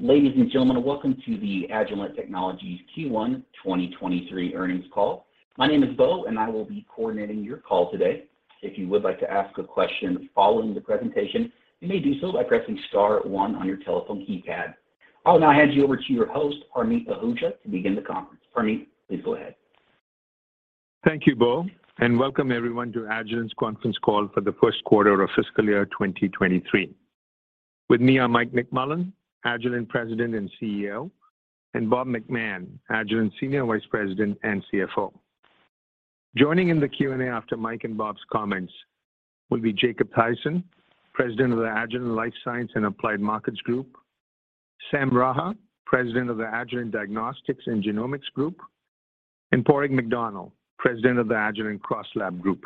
Ladies and gentlemen, welcome to the Agilent Technologies Q1 2023 Earnings Call. My name is Beau, and I will be coordinating your call today. If you would like to ask a question following the presentation, you may do so by pressing star one on your telephone keypad. I'll now hand you over to your host, Parmeet Ahuja, to begin the conference. Parmeet, please go ahead. Thank you, Beau. Welcome everyone to Agilent's conference call for the first quarter of fiscal year 2023. With me are Mike McMullen, Agilent President and CEO, and Bob McMahon, Agilent Senior Vice President and CFO. Joining in the Q&A after Mike and Bob's comments will be Jacob Thaysen, President of the Agilent Life Sciences and Applied Markets Group, Sam Raha, President of the Agilent Diagnostics and Genomics Group, and Padraig McDonnell, President of the Agilent CrossLab Group.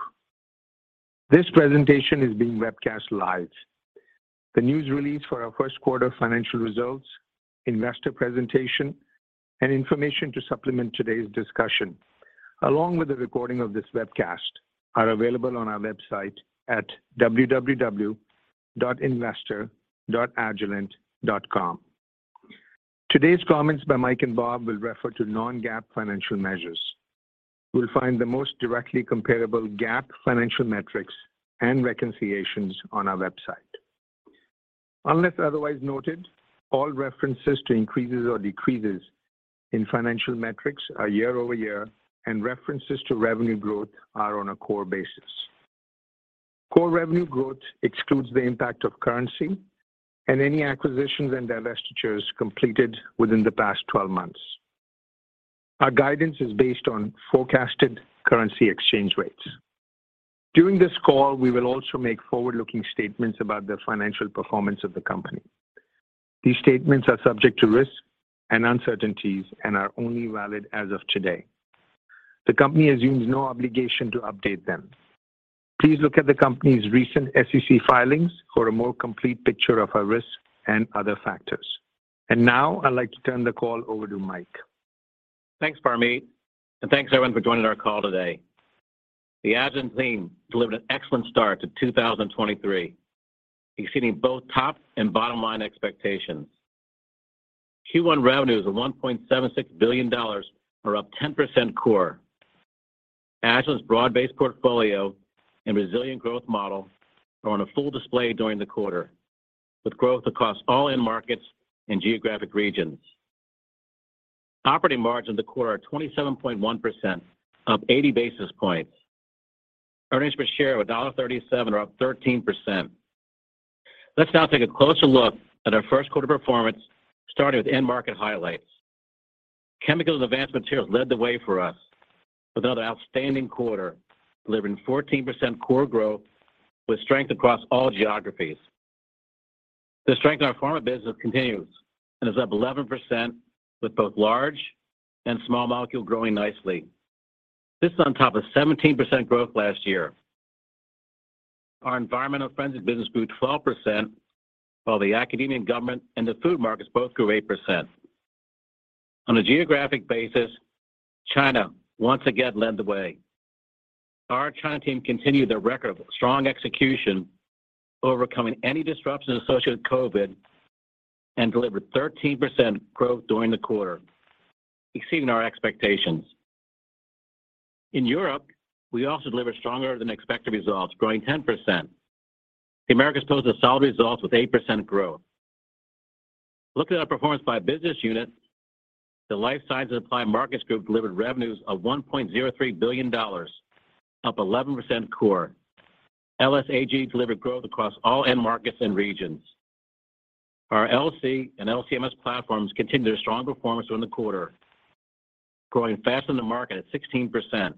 This presentation is being webcast live. The news release for our first quarter financial results, investor presentation, and information to supplement today's discussion, along with a recording of this webcast, are available on our website at www.investor.agilent.com. Today's comments by Mike and Bob will refer to non-GAAP financial measures. You will find the most directly comparable GAAP financial metrics and reconciliations on our website. Unless otherwise noted, all references to increases or decreases in financial metrics are year-over-year, and references to revenue growth are on a core basis. Core revenue growth excludes the impact of currency and any acquisitions and divestitures completed within the past 12 months. Our guidance is based on forecasted currency exchange rates. During this call, we will also make forward-looking statements about the financial performance of the company. These statements are subject to risks and uncertainties and are only valid as of today. The company assumes no obligation to update them. Please look at the company's recent SEC filings for a more complete picture of our risks and other factors. Now I'd like to turn the call over to Mike. Thanks, Parmeet, thanks everyone for joining our call today. The Agilent team delivered an excellent start to 2023, exceeding both top and bottom-line expectations. Q1 revenues of $1.76 billion are up 10% core. Agilent's broad-based portfolio and resilient growth model are on a full display during the quarter, with growth across all end markets and geographic regions. Operating margins of core are 27.1%, up 80 basis points. Earnings per share of $1.37 are up 13%. Let's now take a closer look at our first quarter performance, starting with end market highlights. Chemicals and advanced materials led the way for us with another outstanding quarter, delivering 14% core growth with strength across all geographies. The strength in our pharma business continues and is up 11% with both large and small molecule growing nicely. This is on top of 17% growth last year. Our environmental friends and business grew 12%, while the academia and government and the food markets both grew 8%. On a geographic basis, China once again led the way. Our China team continued their record of strong execution, overcoming any disruption associated with COVID, and delivered 13% growth during the quarter, exceeding our expectations. In Europe, we also delivered stronger than expected results, growing 10%. The Americas posted solid results with 8% growth. Looking at our performance by business unit, the Life Science and Applied Markets Group delivered revenues of $1.03 billion, up 11% core. LSAG delivered growth across all end markets and regions. Our LC and LC-MS platforms continued their strong performance during the quarter, growing faster than the market at 16%.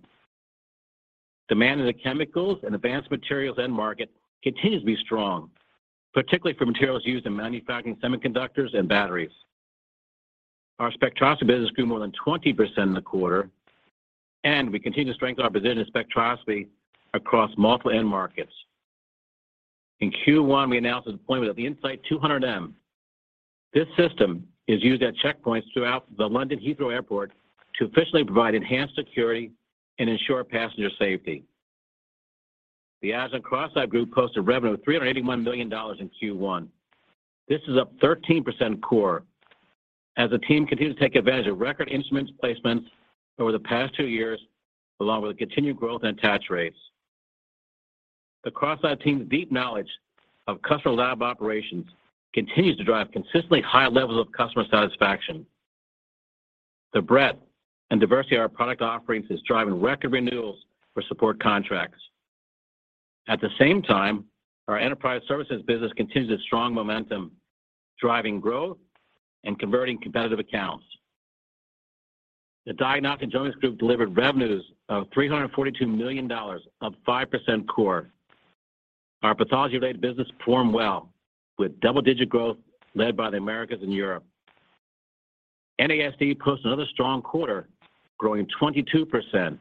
Demand in the chemicals and advanced materials end market continues to be strong, particularly for materials used in manufacturing semiconductors and batteries. Our spectroscopy business grew more than 20% in the quarter, and we continue to strengthen our position in spectroscopy across multiple end markets. In Q1, we announced the deployment of the Insight200M. This system is used at checkpoints throughout the London Heathrow Airport to officially provide enhanced security and ensure passenger safety. The Agilent CrossLab Group posted revenue of $381 million in Q1. This is up 13% core as the team continued to take advantage of record instruments placements over the past two years, along with continued growth in attach rates. The CrossLab team's deep knowledge of customer lab operations continues to drive consistently high levels of customer satisfaction. The breadth and diversity of our product offerings is driving record renewals for support contracts. At the same time, our enterprise services business continues its strong momentum, driving growth and converting competitive accounts. The Diagnostics and Genomics Group delivered revenues of $342 million, up 5% core. Our pathology-related business performed well with double-digit growth led by the Americas and Europe. NASD posted another strong quarter, growing 22%.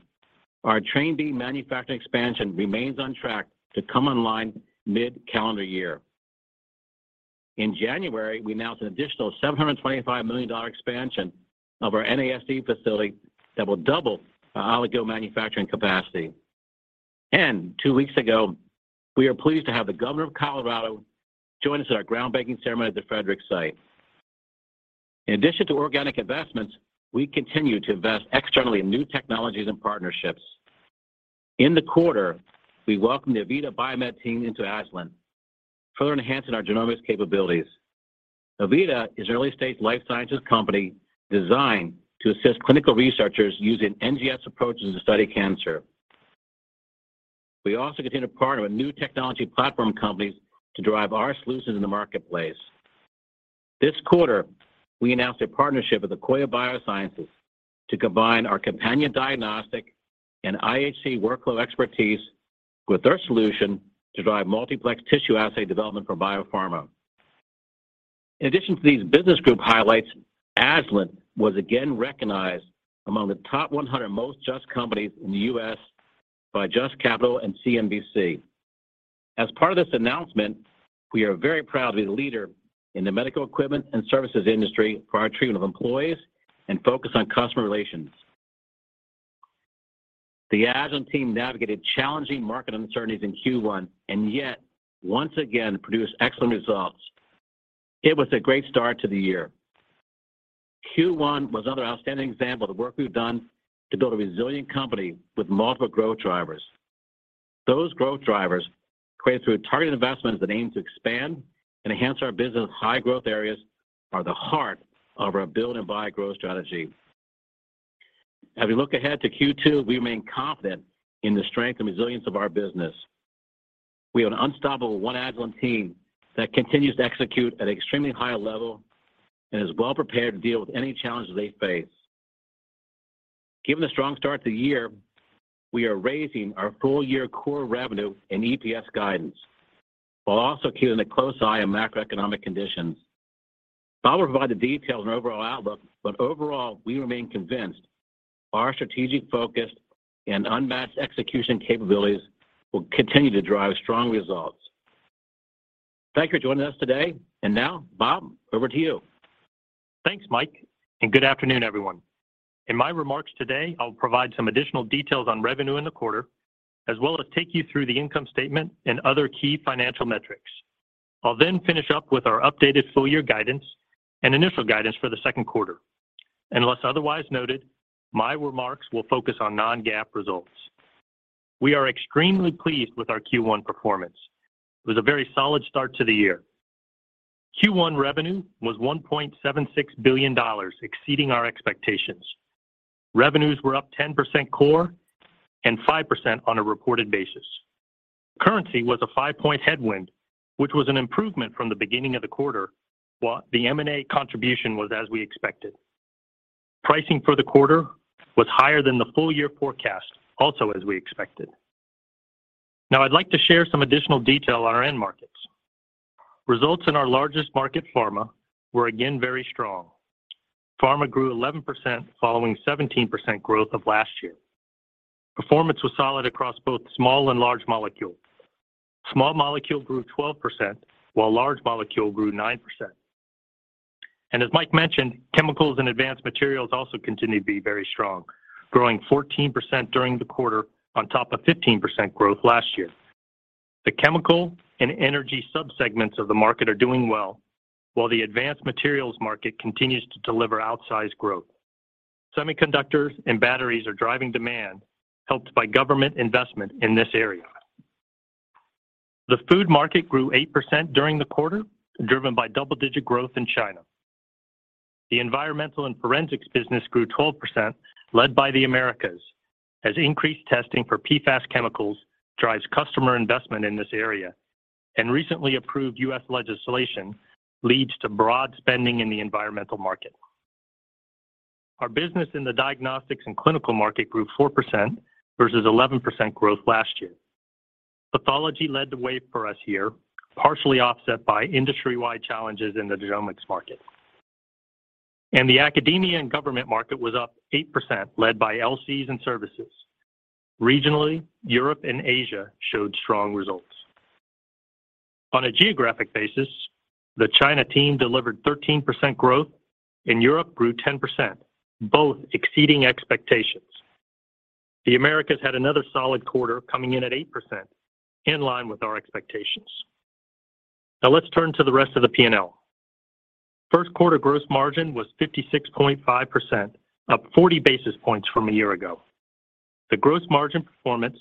Our Train B manufacturing expansion remains on track to come online mid-calendar year. In January, we announced an additional $725 million expansion of our NASD facility that will double our oligonucleotide manufacturing capacity. Two weeks ago, we are pleased to have the Governor of Colorado join us at our groundbreaking ceremony at the Frederick site. In addition to organic investments, we continue to invest externally in new technologies and partnerships. In the quarter, we welcomed the Avida Biomed team into Agilent, further enhancing our genomics capabilities. Avida is an early-stage life sciences company designed to assist clinical researchers using NGS approaches to study cancer. We also continue to partner with new technology platform companies to drive our solutions in the marketplace. This quarter, we announced a partnership with Akoya Biosciences to combine our companion diagnostic and IHC workflow expertise with their solution to drive multiplex tissue assay development for biopharma. In addition to these business group highlights, Agilent was again recognized among the top 100 most just companies in the U.S. by JUST Capital and CNBC. As part of this announcement, we are very proud to be the leader in the medical equipment and services industry for our treatment of employees and focus on customer relations. The Agilent team navigated challenging market uncertainties in Q1 and yet once again produced excellent results. It was a great start to the year. Q1 was another outstanding example of the work we've done to build a resilient company with multiple growth drivers. Those growth drivers, created through targeted investments that aim to expand and enhance our business high growth areas, are the heart of our build and buy growth strategy. As we look ahead to Q2, we remain confident in the strength and resilience of our business. We have an unstoppable One Agilent team that continues to execute at an extremely high level and is well prepared to deal with any challenges they face. Given the strong start to the year, we are raising our full year core revenue and EPS guidance, while also keeping a close eye on macroeconomic conditions. I'll provide the details and overall outlook, overall, we remain convinced our strategic focus and unmatched execution capabilities will continue to drive strong results. Thank you for joining us today. Now, Bob, over to you. Thanks, Mike, good afternoon, everyone. In my remarks today, I'll provide some additional details on revenue in the quarter, as well as take you through the income statement and other key financial metrics. I'll finish up with our updated full year guidance and initial guidance for the second quarter. Unless otherwise noted, my remarks will focus on non-GAAP results. We are extremely pleased with our Q1 performance. It was a very solid start to the year. Q1 revenue was $1.76 billion, exceeding our expectations. Revenues were up 10% core and 5% on a reported basis. Currency was a five-point headwind, which was an improvement from the beginning of the quarter, while the M&A contribution was as we expected. Pricing for the quarter was higher than the full year forecast, also as we expected. Now I'd like to share some additional detail on our end markets. Results in our largest market, pharma, were again very strong. Pharma grew 11% following 17% growth of last year. Performance was solid across both small and large molecule. Small molecule grew 12%, while large molecule grew 9%. As Mike mentioned, chemicals and advanced materials also continue to be very strong, growing 14% during the quarter on top of 15% growth last year. The chemical and energy subsegments of the market are doing well, while the advanced materials market continues to deliver outsized growth. Semiconductors and batteries are driving demand, helped by government investment in this area. The food market grew 8% during the quarter, driven by double-digit growth in China. The environmental and forensics business grew 12%, led by the Americas, as increased testing for PFAS chemicals drives customer investment in this area and recently approved U.S. legislation leads to broad spending in the environmental market. Our business in the diagnostics and clinical market grew 4% versus 11% growth last year. Pathology led the way for us here, partially offset by industry-wide challenges in the genomics market. The academia and government market was up 8%, led by LCs and services. Regionally, Europe and Asia showed strong results. On a geographic basis, the China team delivered 13% growth, and Europe grew 10%, both exceeding expectations. The Americas had another solid quarter coming in at 8%, in line with our expectations. Now let's turn to the rest of the P&L. First quarter gross margin was 56.5%, up 40 basis points from a year ago. The gross margin performance,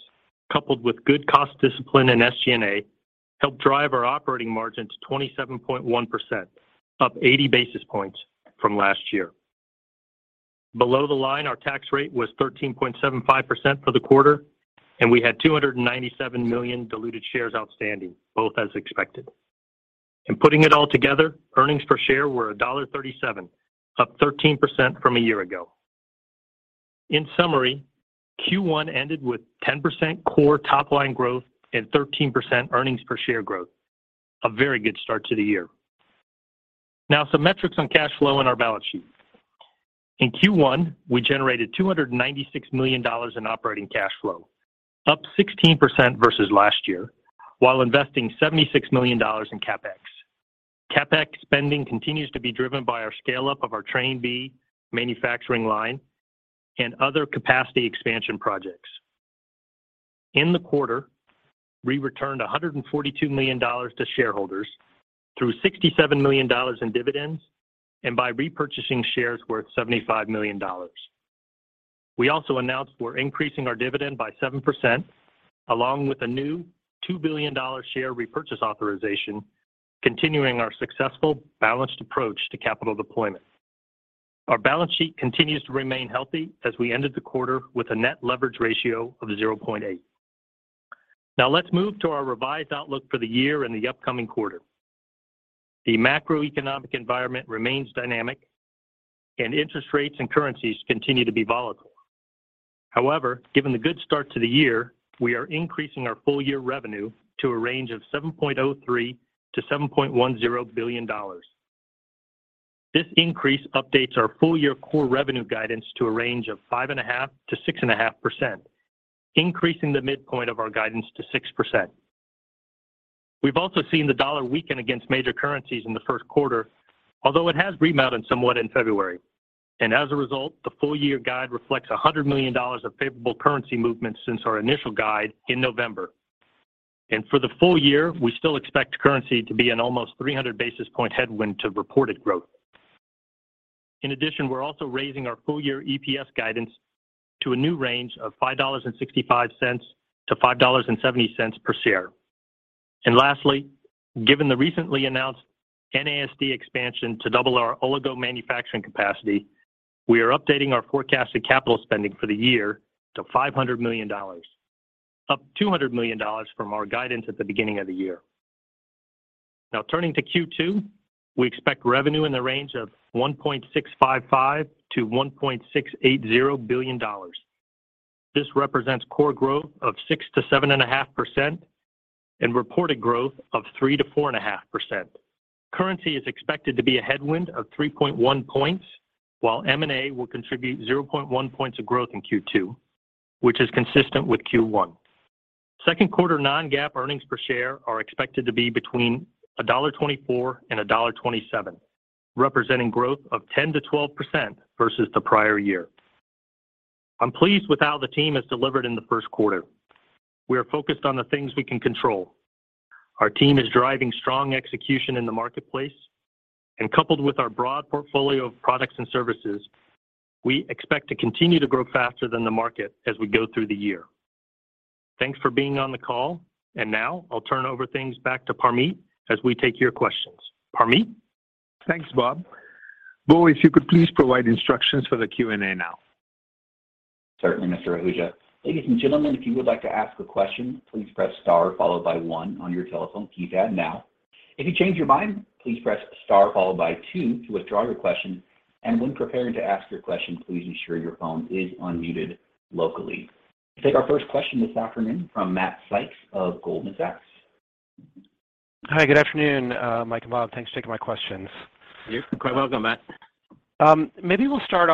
coupled with good cost discipline in SG&A, helped drive our operating margin to 27.1%, up 80 basis points from last year. Below the line, our tax rate was 13.75% for the quarter, and we had $297 million diluted shares outstanding, both as expected. Putting it all together, earnings per share were $1.37, up 13% from a year ago. In summary, Q1 ended with 10% core top-line growth and 13% earnings per share growth. A very good start to the year. Some metrics on cash flow and our balance sheet. In Q1, we generated $296 million in operating cash flow, up 16% versus last year, while investing $76 million in CapEx. CapEx spending continues to be driven by our scale-up of our Train B manufacturing line and other capacity expansion projects. In the quarter, we returned $142 million to shareholders through $67 million in dividends and by repurchasing shares worth $75 million. We also announced we're increasing our dividend by 7% along with a new $2 billion share repurchase authorization, continuing our successful balanced approach to capital deployment. Our balance sheet continues to remain healthy as we ended the quarter with a net leverage ratio of 0.8. Let's move to our revised outlook for the year and the upcoming quarter. The macroeconomic environment remains dynamic and interest rates and currencies continue to be volatile. However, given the good start to the year, we are increasing our full year revenue to a range of $7.03 billion-$7.10 billion. This increase updates our full year core revenue guidance to a range of 5.5%-6.5%, increasing the midpoint of our guidance to 6%. We've also seen the dollar weaken against major currencies in the first quarter, although it has rebounded somewhat in February. As a result, the full year guide reflects $100 million of favorable currency movements since our initial guide in November. For the full year, we still expect currency to be an almost 300 basis point headwind to reported growth. We're also raising our full year EPS guidance to a new range of $5.65-$5.70 per share. Lastly, given the recently announced NASD expansion to double our oligo manufacturing capacity, we are updating our forecasted capital spending for the year to $500 million, up $200 million from our guidance at the beginning of the year. Now turning to Q2, we expect revenue in the range of $1.655 billion-$1.680 billion. This represents core growth of 6% to 7.5% and reported growth of 3% to 4.5%. Currency is expected to be a headwind of 3.1 points, while M&A will contribute 0.1 points of growth in Q2, which is consistent with Q1. Second quarter non-GAAP earnings per share are expected to be between $1.24 and $1.27, representing growth of 10%-12% versus the prior year. I'm pleased with how the team has delivered in the first quarter. We are focused on the things we can control. Our team is driving strong execution in the marketplace, coupled with our broad portfolio of products and services, we expect to continue to grow faster than the market as we go through the year. Thanks for being on the call. Now I'll turn over things back to Parmeet as we take your questions. Parmeet? Thanks, Bob. Beau, if you could please provide instructions for the Q&A now. Certainly, Mr. Ahuja. Ladies and gentlemen, if you would like to ask a question, please press star followed by one on your telephone keypad now. If you change your mind, please press star followed by two to withdraw your question. When preparing to ask your question, please ensure your phone is unmuted locally. Let's take our first question this afternoon from Matthew Sykes of Goldman Sachs. Hi, good afternoon, Mike and Bob. Thanks for taking my questions. You're quite welcome, Matt. Maybe we'll start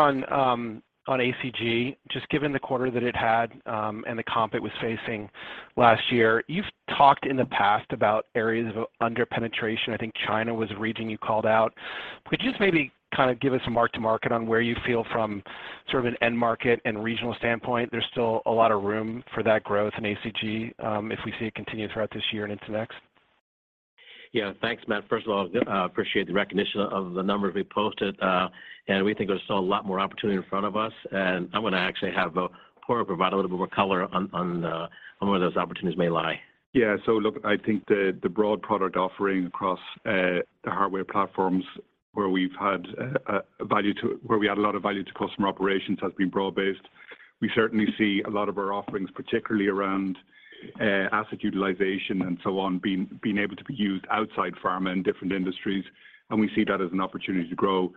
on ACG, just given the quarter that it had and the comp it was facing last year. You've talked in the past about areas of under-penetration. I think China was a region you called out. Could you just maybe kind of give us a mark to market on where you feel from sort of an end market and regional standpoint there's still a lot of room for that growth in ACG if we see it continue throughout this year and into next? Yeah. Thanks, Matthew. First of all, appreciate the recognition of the numbers we posted. We think there's still a lot more opportunity in front of us. I'm going to actually have Padraig provide a little bit more color on where those opportunities may lie. Look, I think the broad product offering across the hardware platforms where we add a lot of value to customer operations has been broad-based. We certainly see a lot of our offerings, particularly around asset utilization and so on, being able to be used outside pharma in different industries, and we see that as an opportunity to grow.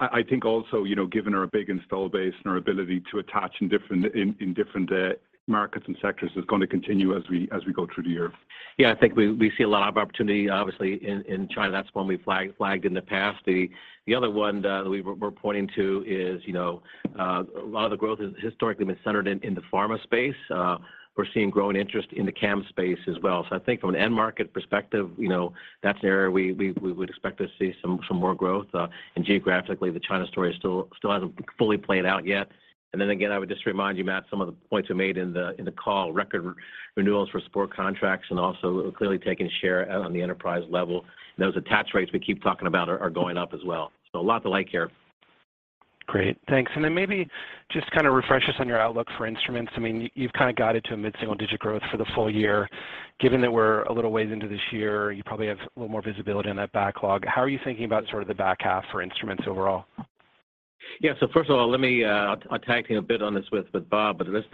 I think also, you know, given our big install base and our ability to attach in different markets and sectors is going to continue as we go through the year. Yeah. I think we see a lot of opportunity obviously in China. That's one we flagged in the past. The other one that we're pointing to is, you know, a lot of the growth has historically been centered in the pharma space. We're seeing growing interest in the CAM space as well. I think from an end market perspective, you know, that's an area we would expect to see some more growth. And geographically, the China story still hasn't fully played out yet. Again, I would just remind you, Matt, some of the points we made in the call, record renewals for support contracts and also clearly taking share on the enterprise level. Those attach rates we keep talking about are going up as well. A lot to like here. Great. Thanks. Maybe just kind of refresh us on your outlook for instruments. I mean, you've kind of guided to a mid-single-digit growth for the full year. Given that we're a little ways into this year, you probably have a little more visibility on that backlog. How are you thinking about sort of the back half for instruments overall? First of all, let me, I tagged you a bit on this with Bob, but let's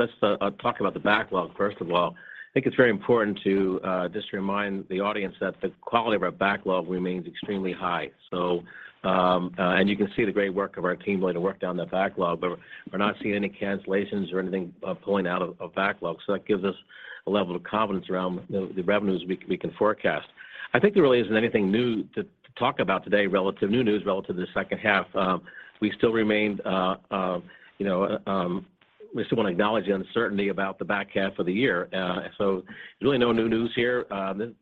talk about the backlog first of all. I think it's very important to just remind the audience that the quality of our backlog remains extremely high. And you can see the great work of our team really to work down that backlog, but we're not seeing any cancellations or anything pulling out of backlog. That gives us a level of confidence around the revenues we can forecast. I think there really isn't anything new to talk about today new news relative to the second half. We still remain, you know, We still want to acknowledge the uncertainty about the back half of the year. Really no new news here.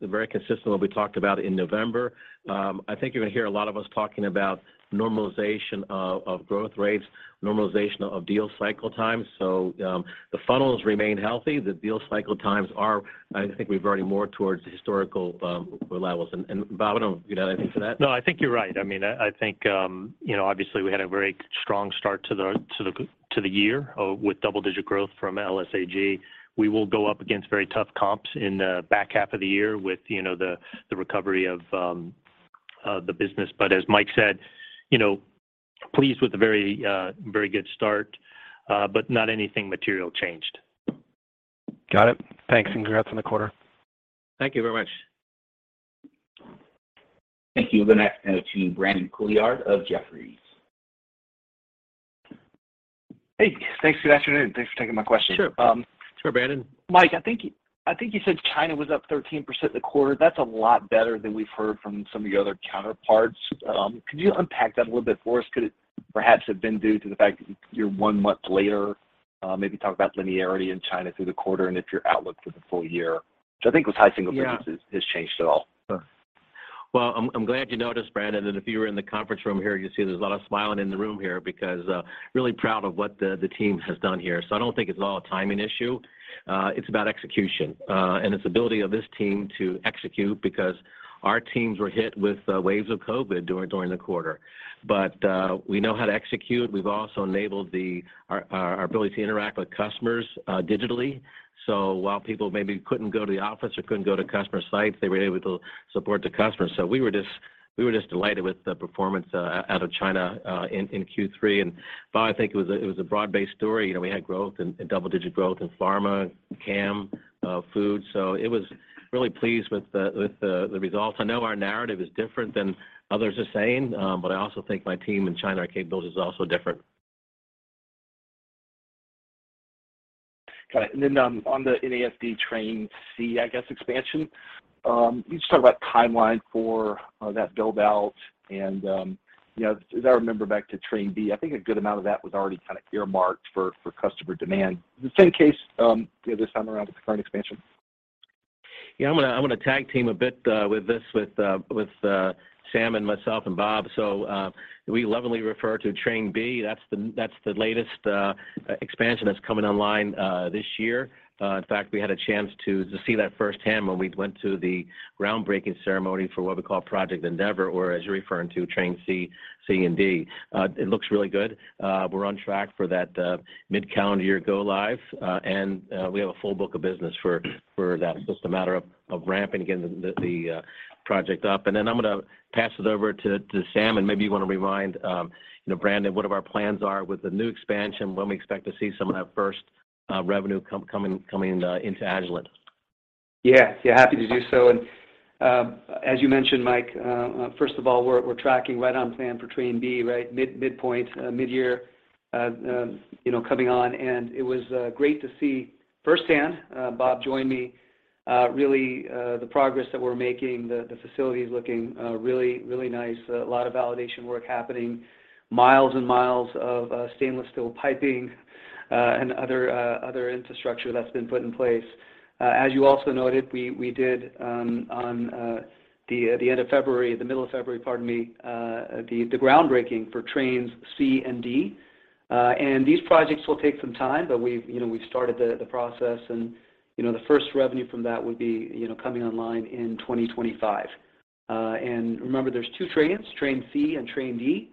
Very consistent what we talked about in November. I think you're going to hear a lot of us talking about normalization of growth rates, normalization of deal cycle times. The funnels remain healthy. The deal cycle times are, I think, we're veering more towards historical levels. Bob, I don't know if you got anything to that. I think you're right. I mean, I think, you know, obviously we had a very strong start to the year with double-digit growth from LSAG. We will go up against very tough comps in the back half of the year with, you know, the recovery of the business. As Mike said, you know, pleased with the very good start, but not anything material changed. Got it. Thanks, and congrats on the quarter. Thank you very much. Thank you. We'll go next now to Brandon Couillard of Jefferies. Hey, thanks. Good afternoon. Thanks for taking my question. Sure. Um- Sure, Brandon. Mike, I think you said China was up 13% in the quarter. That's a lot better than we've heard from some of your other counterparts. Could you unpack that a little bit for us? Could it perhaps have been due to the fact that you're one month later? maybe talk about linearity in China through the quarter and if your outlook for the full year, which I think was high single digits. Yeah has changed at all. Well, I'm glad you noticed, Brandon. If you were in the conference room here, you'd see there's a lot of smiling in the room here because really proud of what the team has done here. I don't think it's all a timing issue. It's about execution and its ability of this team to execute because our teams were hit with waves of COVID during the quarter. We know how to execute. We've also enabled our ability to interact with customers digitally. While people maybe couldn't go to the office or couldn't go to customer sites, they were able to support the customers. We were just delighted with the performance out of China in Q3. Bob, I think it was a broad-based story. You know, we had growth and double digit growth in pharma, CAM, food. It was really pleased with the results. I know our narrative is different than others are saying, but I also think my team in China, our capability is also different. Got it. On the NASD Train C, I guess, expansion, can you just talk about timeline for that build-out? You know, as I remember back to Train B, I think a good amount of that was already kind of earmarked for customer demand. Is it the same case, you know, this time around with the current expansion? Yeah. I'm going to tag team a bit with this, with Sam and myself and Bob. We lovingly refer to Train B. That's the latest expansion that's coming online this year. In fact, we had a chance to see that firsthand when we went to the groundbreaking ceremony for what we call Project Endeavor, or as you're referring to, Train C and D. It looks really good. We're on track for that mid-calendar year go live, and we have a full book of business for that. It's a matter of ramping, getting the project up. I'm going to pass it over to Sam, and maybe you want to remind, you know, Brandon, what of our plans are with the new expansion, when we expect to see some of that first revenue coming into Agilent. Yeah. Yeah, happy to do so. As you mentioned, Mike, first of all, we're tracking right on plan for Train B, right, mid point, mid-year, you know, coming on. It was great to see firsthand, Bob joined me, really, the progress that we're making. The facility's looking really, really nice. A lot of validation work happening, miles and miles of stainless steel piping, and other infrastructure that's been put in place. As you also noted, we did on the end of February, the middle of February, pardon me, the groundbreaking for Train C and D. These projects will take some time, but we've, you know, started the process and, you know, the first revenue from that would be, you know, coming online in 2025. Remember there's two trains, Train C and Train D,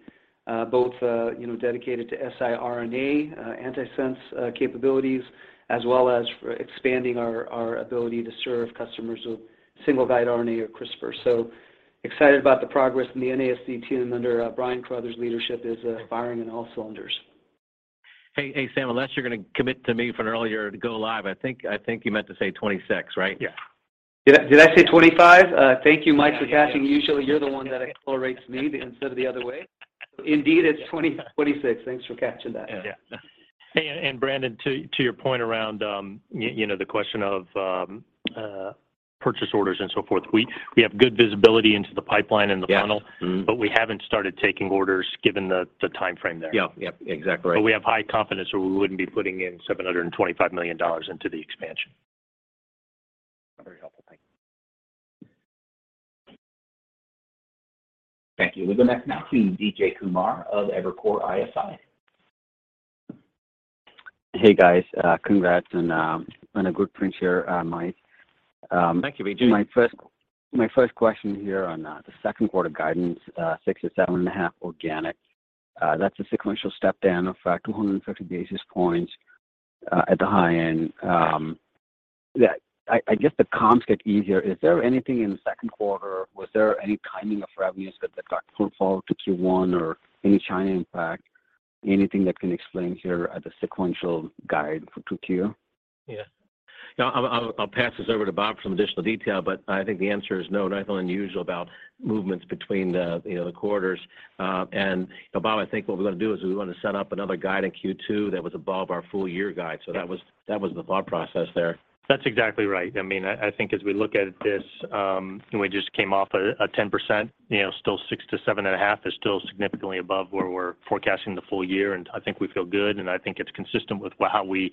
both, you know, dedicated to siRNA, antisense capabilities, as well as for expanding our ability to serve customers with single guide RNA or CRISPR. Excited about the progress and the NASD team under Brian Carothers' leadership is firing on all cylinders. Hey, hey, Sam, unless you're going to commit to me for an earlier go live, I think you meant to say 2026, right? Yeah. Did I say 2025? Thank you, Mike, for catching. Usually you're the one that accelerates me instead of the other way. Indeed, it's 2026. Thanks for catching that. Yeah. Yeah. Hey, Brandon, to your point around, you know, the question of purchase orders and so forth, we have good visibility into the pipeline and the funnel. Yeah. Mm-hmm. We haven't started taking orders given the timeframe there. Yeah. Yeah. Exactly right. We have high confidence or we wouldn't be putting in $725 million into the expansion. Very helpful. Thank you. Thank you. We'll go next now to Vijay Kumar of Evercore ISI. Hey, guys, congrats and a good print here, Mike. Thank you, Vijay. My first question here on the second quarter guidance, 6%-7.5% organic, that's a sequential step down of 250 basis points at the high end. Yeah, I guess the comps get easier. Is there anything in the second quarter? Was there any timing of revenues that got pulled forward to Q1 or any China impact? Anything that can explain here at the sequential guide for 2Q? Yeah. No, I'll pass this over to Bob for some additional detail, but I think the answer is no, nothing unusual about movements between the, you know, the quarters. Bob, I think what we're going to do is we want to set up another guide in Q2 that was above our full year guide. That was the thought process there. That's exactly right. I mean, I think as we look at this, we just came off a 10%, you know, still 6%-7.5% is still significantly above where we're forecasting the full year. I think we feel good, and I think it's consistent with how we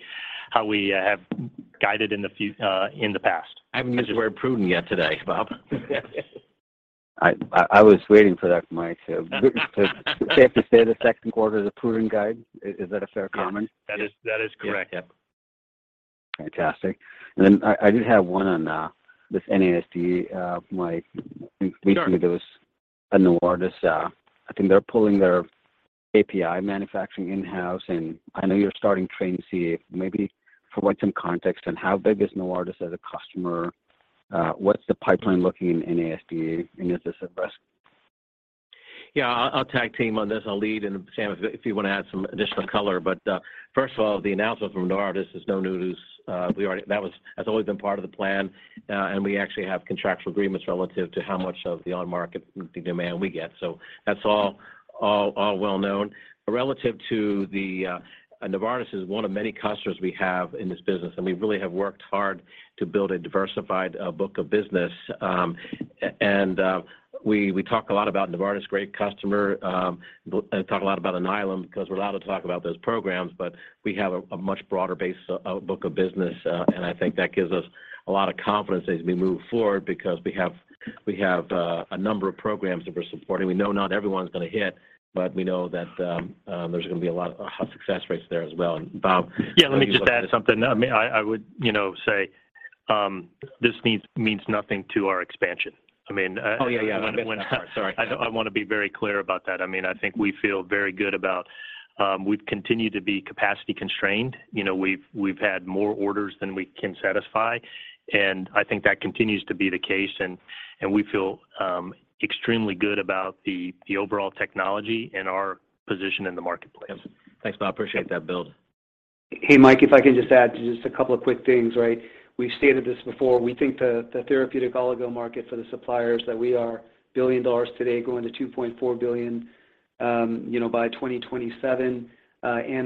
How we have guided in the past. I haven't used the word prudent yet today, Bob. I was waiting for that, Mike. Safe to say the second quarter is a prudent guide. Is that a fair comment? That is correct. Yeah. Fantastic. I did have one on this NASD, Mike. Sure. Recently, there was a Novartis, I think they're pulling their API manufacturing in-house, and I know you're starting Train C. Maybe provide some context on how big is Novartis as a customer, what's the pipeline looking in NASD, and is this a risk? Yeah. I'll tag team on this. I'll lead, Sam, if you want to add some additional color. First of all, the announcement from Novartis is no new news. That has always been part of the plan, we actually have contractual agreements relative to how much of the on-market demand we get. That's all well known. Relative to the, Novartis is one of many customers we have in this business, we really have worked hard to build a diversified book of business. We talk a lot about Novartis, great customer. Talk a lot about Alnylam because we're allowed to talk about those programs, we have a much broader base outbook of business. I think that gives us a lot of confidence as we move forward because we have a number of programs that we're supporting. We know not everyone's going to hit, but we know that there's going to be a lot of success rates there as well. Bob- Yeah. Let me just add something. I mean, I would, you know, say, this means nothing to our expansion. I mean. Oh, yeah. I went that far. Sorry. I want to be very clear about that. I mean, I think we feel very good about, we've continued to be capacity constrained. You know, we've had more orders than we can satisfy, and I think that continues to be the case. We feel extremely good about the overall technology and our position in the marketplace. Thanks, Bob. Appreciate that. Bob. Hey, Mike, if I can just add just a couple of quick things, right? We've stated this before. We think the therapeutic oligo market for the suppliers that we are $1 billion today, growing to $2.4 billion, you know, by 2027.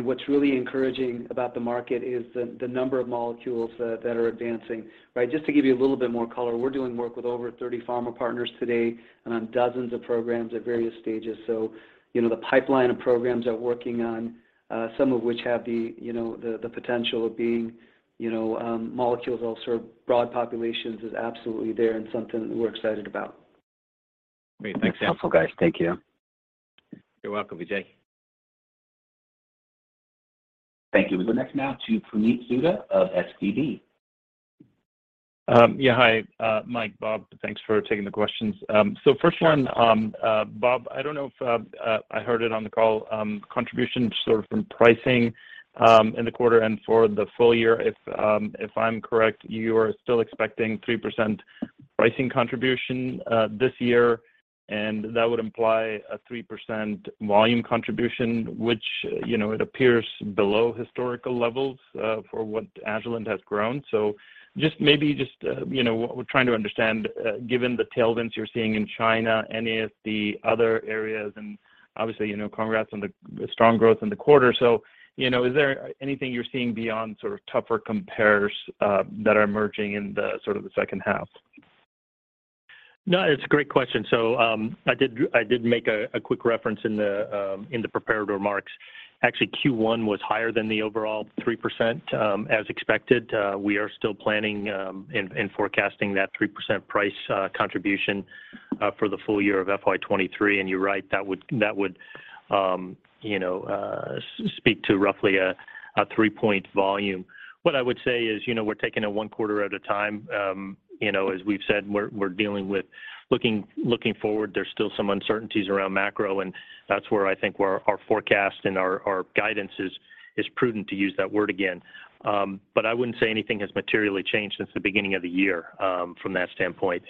What's really encouraging about the market is the number of molecules that are advancing, right? Just to give you a little bit more color, we're doing work with over 30 pharma partners today and on dozens of programs at various stages. You know, the pipeline of programs are working on, some of which have the potential of being, you know, molecules that will serve broad populations is absolutely there and something that we're excited about. Great. Thanks. That's helpful, guys. Thank you. You're welcome, Vijay. Thank you. We'll go next now to Puneet Souda of SVB Securities. Yeah, hi, Mike, Bob. Thanks for taking the questions. First one, Bob, I don't know if I heard it on the call, contribution sort of from pricing in the quarter and for the full year. If I'm correct, you are still expecting 3% pricing contribution this year, and that would imply a 3% volume contribution, which, you know, it appears below historical levels for what Agilent has grown. Just maybe just, you know, we're trying to understand, given the tailwinds you're seeing in China, any of the other areas and obviously, you know, congrats on the strong growth in the quarter. You know, is there anything you're seeing beyond sort of tougher compares that are emerging in the sort of the second half? It's a great question. I did make a quick reference in the prepared remarks. Actually, Q1 was higher than the overall 3%, as expected. We are still planning and forecasting that 3% price contribution for the full year of FY23. You're right, that would, you know, speak to roughly a three-point volume. What I would say is, you know, we're taking it one quarter at a time. You know, as we've said, we're dealing with looking forward, there's still some uncertainties around macro, that's where I think where our forecast and our guidance is prudent to use that word again. I wouldn't say anything has materially changed since the beginning of the year from that standpoint.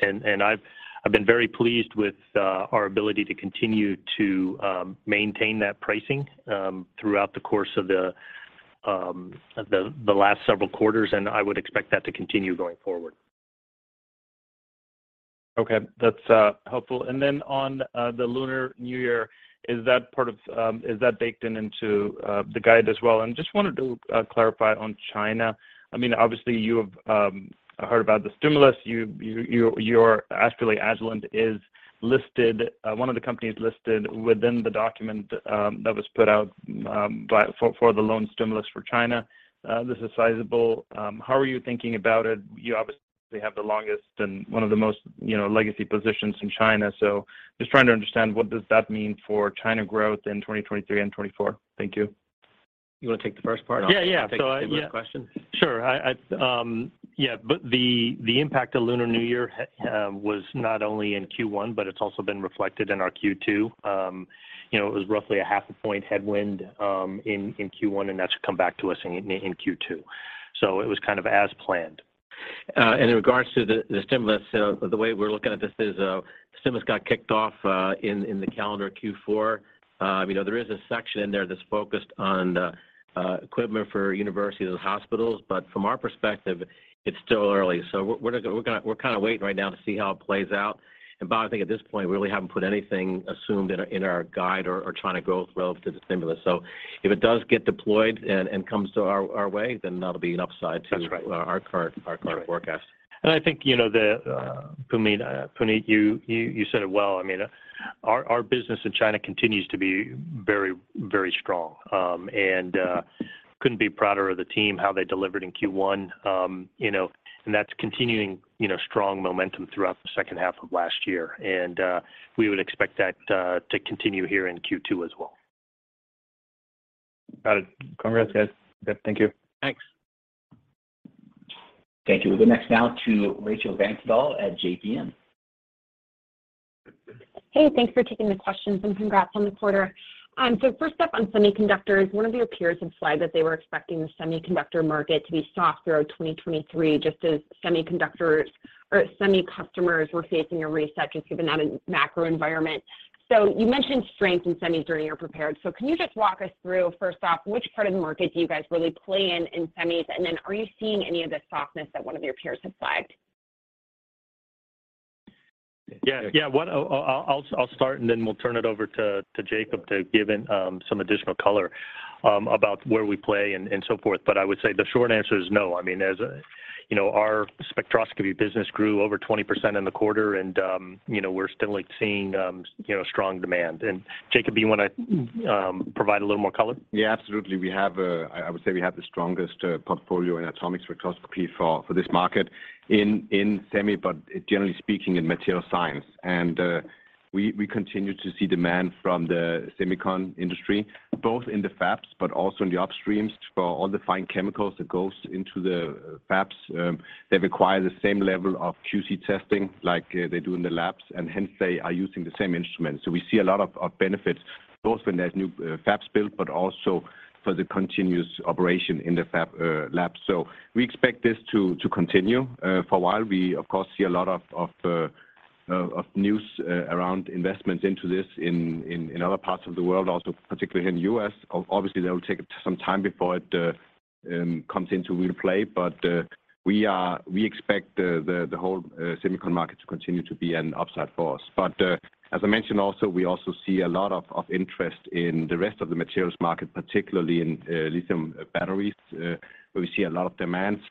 I've been very pleased with our ability to continue to maintain that pricing throughout the course of the last several quarters, and I would expect that to continue going forward. Okay. That's helpful. Then on the Lunar New Year, is that part of, is that baked in into the guide as well? Just wanted to clarify on China. I mean, obviously you have heard about the stimulus. You're actually Agilent is listed, one of the companies listed within the document that was put out for the loan stimulus for China. This is sizable. How are you thinking about it? You obviously have the longest and one of the most, you know, legacy positions in China. Just trying to understand what does that mean for China growth in 2023 and 2024. Thank you. You want to take the first part? Yeah, yeah. I'll take the similar question. Sure. I, yeah. The impact of Lunar New Year was not only in Q1, but it's also been reflected in our Q2. You know, it was roughly a half a point headwind in Q1, and that should come back to us in Q2. It was kind of as planned. In regards to the stimulus, the way we're looking at this is, stimulus got kicked off in the calendar Q4. You know, there is a section in there that's focused on equipment for universities and hospitals, but from our perspective, it's still early. We're kind of waiting right now to see how it plays out. Bob, I think at this point, we really haven't put anything assumed in our guide or China growth relative to the stimulus. If it does get deployed and comes to our way, then that'll be an upside to. That's right. our current forecast. I think, you know, the Puneet, you said it well. I mean, our business in China continues to be very, very strong. Couldn't be prouder of the team, how they delivered in Q1. You know, and that's continuing, you know, strong momentum throughout the second half of last year. We would expect that to continue here in Q2 as well. Got it. Congrats guys. Yep, thank you. Thanks. Thank you. We'll go next now to Rachel Vatnsdal at J.P. Morgan. Hey, thanks for taking the questions and congrats on the quarter. First up on semiconductors, one of your peers had flagged that they were expecting the semiconductor market to be soft throughout 2023, just as semiconductors or semi customers were facing a reset just given that macro environment. You mentioned strength in semis during your prepared. Can you just walk us through, first off, which part of the market do you guys really play in in semis? And then are you seeing any of the softness that one of your peers have flagged? Yeah. Yeah. One, I'll start and then we'll turn it over to Jacob to give in some additional color about where we play and so forth. I would say the short answer is no. I mean, as, you know, our spectroscopy business grew over 20% in the quarter and, you know, we're still like seeing, you know, strong demand. Jacob, do you want to provide a little more color? Yeah, absolutely. We have, I would say we have the strongest portfolio in atomic spectroscopy for this market in semi, but generally speaking, in material science. We continue to see demand from the semicon industry, both in the fabs, but also in the upstreams for all the fine chemicals that goes into the fabs. They require the same level of QC testing like they do in the labs, and hence they are using the same instruments. We see a lot of benefits both when there's new fabs built, but also for the continuous operation in the fab labs. We expect this to continue for a while. We of course, see a lot of news around investments into this in other parts of the world, also, particularly in the U.S. Obviously, that will take some time before it comes into real play. We expect the whole semicon market to continue to be an upside for us. As I mentioned also, we also see a lot of interest in the rest of the materials market, particularly in lithium batteries, where we see a lot of demands,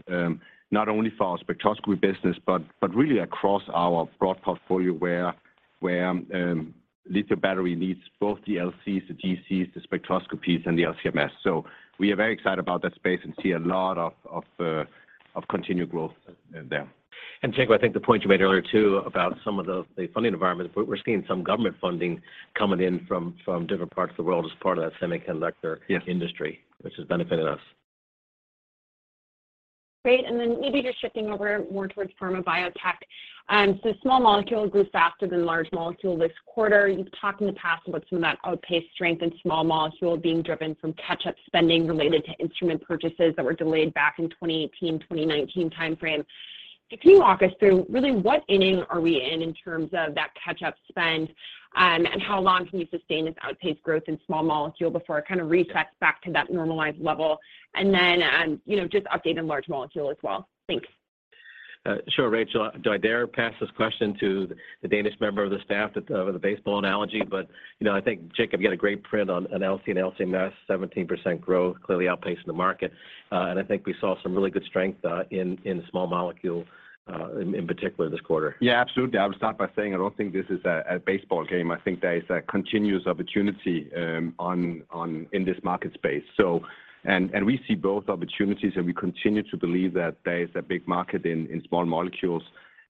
not only for our spectroscopy business, but really across our broad portfolio where lithium battery needs both the LCs, the GCs, the spectroscopies, and the LC-MS. We are very excited about that space and see a lot of continued growth there. Jacob, I think the point you made earlier too about some of the funding environment. We're seeing some government funding coming in from different parts of the world as part of that. Yes industry, which has benefited us. Great. Maybe just shifting over more towards pharma biotech. Small molecule grew faster than large molecule this quarter. You've talked in the past about some of that outpaced strength in small molecule being driven from catch-up spending related to instrument purchases that were delayed back in 2018-2019 timeframe. Can you walk us through really what inning are we in in terms of that catch-up spend, and how long can you sustain this outpaced growth in small molecule before it kind of resets back to that normalized level? Just update on large molecule as well. Thanks. Sure, Rachel. Do I dare pass this question to the Danish member of the staff that the baseball analogy? You know, I think Jacob, you had a great print on LC and LC-MS, 17% growth, clearly outpacing the market. I think we saw some really good strength in small molecule, in particular this quarter. Yeah, absolutely. I would start by saying I don't think this is a baseball game. I think there is a continuous opportunity in this market space. We see both opportunities, and we continue to believe that there is a big market in small molecules.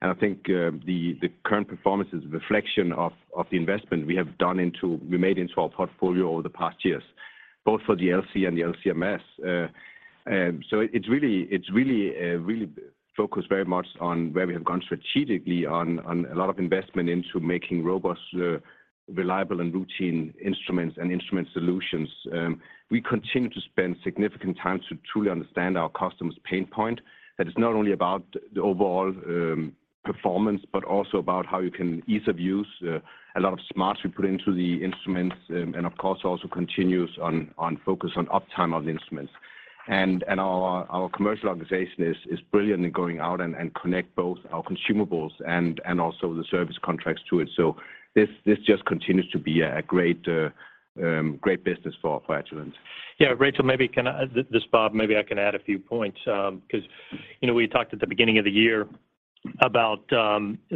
I think the current performance is a reflection of the investment we made into our portfolio over the past years, both for the LC and the LC-MS. It's really, really focused very much on where we have gone strategically on a lot of investment into making robust, reliable and routine instruments and instrument solutions. We continue to spend significant time to truly understand our customers' pain point. That is not only about the overall performance, but also about how you can ease of use, a lot of smarts we put into the instruments and of course, also continues on focus on uptime of the instruments. Our commercial organization is brilliant in going out and connect both our consumables and also the service contracts to it. This just continues to be a great business for Agilent. Yeah, Rachel, maybe. This is Bob. Maybe I can add a few points, because, you know, we talked at the beginning of the year about, you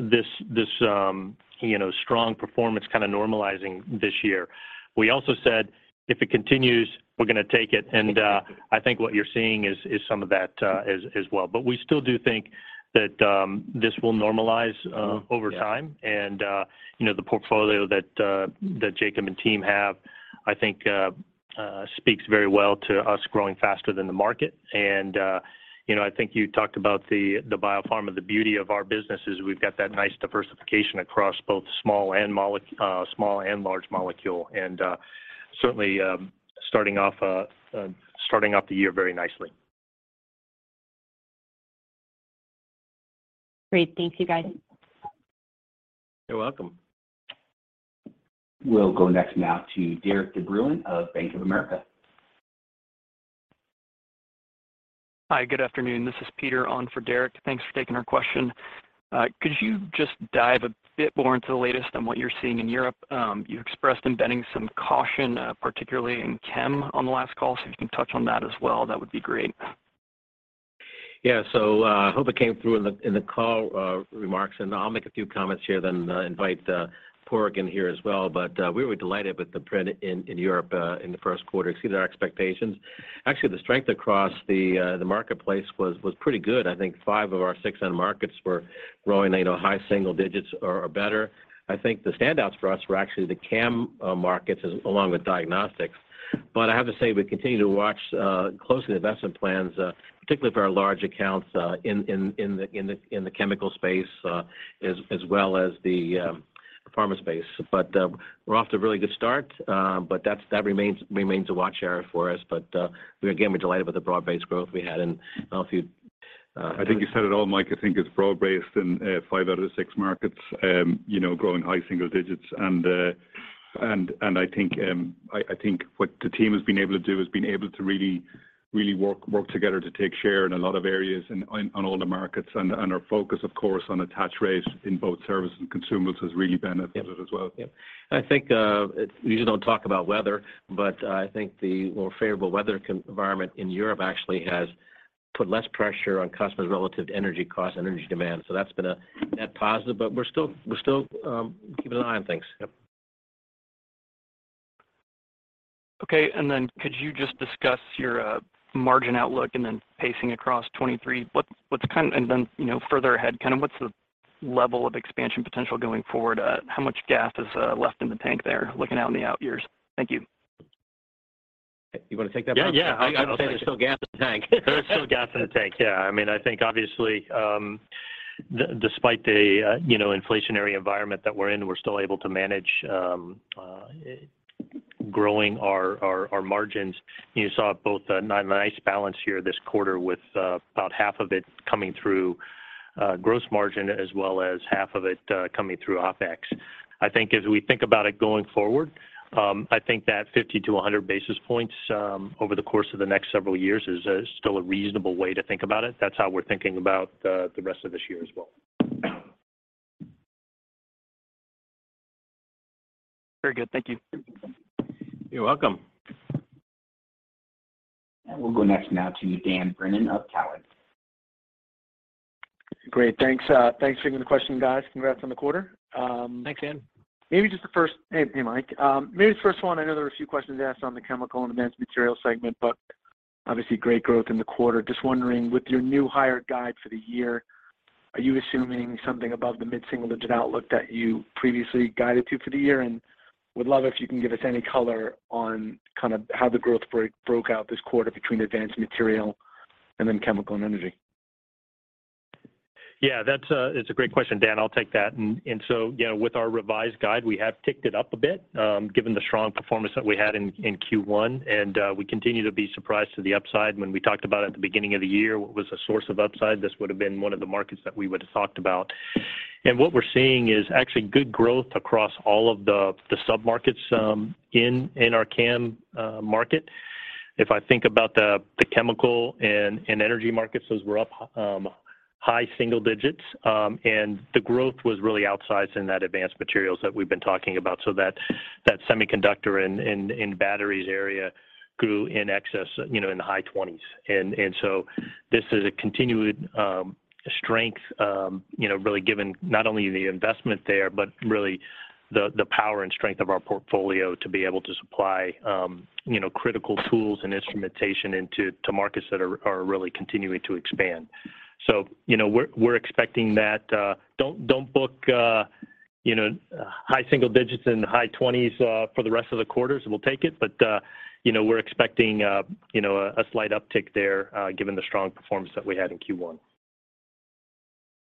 know, this strong performance kind of normalizing this year. We also said, if it continues, we're going to take it. I think what you're seeing is some of that as well. We still do think that this will normalize. Yeah over time. You know, the portfolio that Jacob and team have, I think speaks very well to us growing faster than the market. You know, I think you talked about the biopharma. The beauty of our business is we've got that nice diversification across both small and large molecule, and certainly, starting off the year very nicely. Great. Thank you, guys. You're welcome. We'll go next now to Derik De Bruin of Bank of America. Hi, good afternoon. This is Peter on for Derik. Thanks for taking our question. Could you just dive a bit more into the latest on what you're seeing in Europe? You expressed embedding some caution, particularly in chem on the last call. If you can touch on that as well, that would be great. I hope it came through in the call remarks, and I'll make a few comments here then invite Padraig in here as well. We were delighted with the print in Europe in the first quarter. Exceeded our expectations. Actually, the strength across the marketplace was pretty good. I think five of our six end markets were growing at a high single digits or better. I think the standouts for us were actually the CAM markets along with diagnostics. I have to say we continue to watch closely the investment plans particularly for our large accounts in the chemical space as well as the pharma space. We're off to a really good start. That remains a watch area for us. We again, we're delighted with the broad-based growth we had. I don't know if you'd. I think you said it all, Mike. I think it's broad-based, five out of the six markets, you know, growing high single digits. I think what the team has been able to do is been able to really work together to take share in a lot of areas and on all the markets. Our focus, of course, on attach rates in both service and consumables has really benefited it as well. Yep. I think, we usually don't talk about weather. I think the more favorable weather environment in Europe actually has put less pressure on customers relative to energy costs and energy demand. That's been a net positive, we're still keeping an eye on things. Yep. Okay. Could you just discuss your margin outlook and then pacing across 2023? You know, further ahead, kind of what's the level of expansion potential going forward? How much gas is left in the tank there looking out in the out years? Thank you. You want to take that, Mike? Yeah, yeah. I'll say there's still gas in the tank. There is still gas in the tank. Yeah. I mean, I think obviously, despite the, you know, inflationary environment that we're in, we're still able to manage growing our margins. You saw both a nice balance here this quarter with about half of it coming through gross margin as well as half of it coming through OpEx. I think as we think about it going forward, I think that 50 to 100 basis points over the course of the next several years is still a reasonable way to think about it. That's how we're thinking about the rest of this year as well. Very good. Thank you. You're welcome. We'll go next now to Dan Brennan of Cowen. Great. Thanks, thanks for taking the question, guys. Congrats on the quarter. Thanks, Dan. Hey, hey, Mike. Maybe the first one, I know there were a few questions asked on the chemical and advanced material segment, but obviously great growth in the quarter. Just wondering, with your new hire guide for the year, are you assuming something above the mid-single-digit outlook that you previously guided to for the year? Would love if you can give us any color on kind of how the growth broke out this quarter between advanced material and then chemical and energy. Yeah. That's a great question, Dan. I'll take that. You know, with our revised guide, we have ticked it up a bit, given the strong performance that we had in Q1, we continue to be surprised to the upside. When we talked about at the beginning of the year what was a source of upside, this would've been one of the markets that we would've talked about. What we're seeing is actually good growth across all of the submarkets in our CAM market. If I think about the chemical and energy markets, those were up high single digits. The growth was really outsized in that advanced materials that we've been talking about. That semiconductor and batteries area grew in excess, you know, in the high 20s. This is a continued strength, you know, really given not only the investment there, but really the power and strength of our portfolio to be able to supply, you know, critical tools and instrumentation to markets that are really continuing to expand. You know, we're expecting that. Don't book, you know, high single digits in the high 20s for the rest of the quarters. We'll take it, but, you know, we're expecting, you know, a slight uptick there, given the strong performance that we had in Q1.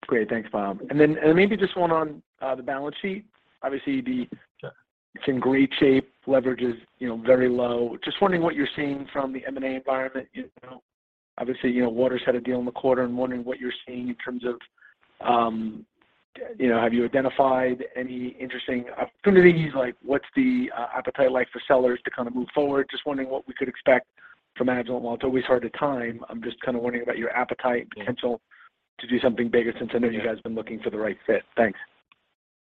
Great. Thanks, Bob. maybe just one on the balance sheet. Obviously. Sure it's in great shape. Leverage is, you know, very low. Just wondering what you're seeing from the M&A environment. You know, obviously, you know, Waters had a deal in the quarter. I'm wondering what you're seeing in terms of, you know, have you identified any interesting opportunities? Like, what's the appetite like for sellers to kind of move forward? Just wondering what we could expect from Agilent. While it's always hard to time, I'm just kind of wondering about your appetite and potential to do something bigger since I know you guys been looking for the right fit. Thanks.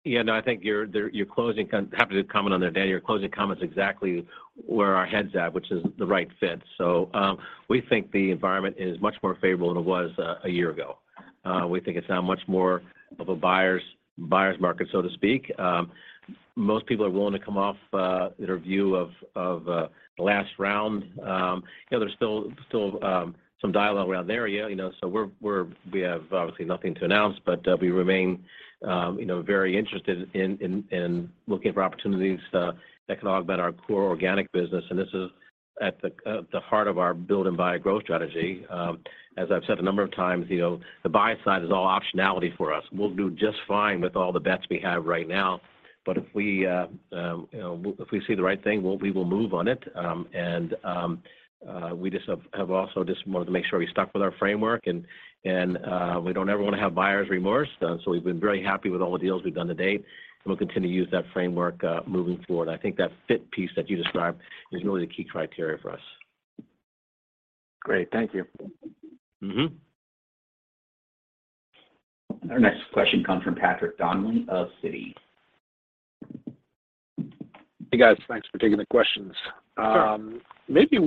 No, I think your closing comment. Happy to comment on that, Dan. Your closing comment is exactly where our head's at, which is the right fit. We think the environment is much more favorable than it was a year ago. We think it's now much more of a buyer's market, so to speak. Most people are willing to come off their view of the last round. You know, there's still some dialogue around the area, you know. We have obviously nothing to announce, but we remain, you know, very interested in looking for opportunities that can augment our core organic business, and this is at the heart of our build and buy growth strategy. As I've said a number of times, you know, the buy side is all optionality for us. We'll do just fine with all the bets we have right now. If we, you know, if we see the right thing, we will move on it. We just have also just wanted to make sure we stuck with our framework, we don't ever want to have buyer's remorse. We've been very happy with all the deals we've done to date, and we'll continue to use that framework, moving forward. I think that fit piece that you described is really the key criteria for us. Great. Thank you. Mm-hmm. Our next question comes from Patrick Donnelly of Citi. Hey guys, thanks for taking the questions. Sure. Maybe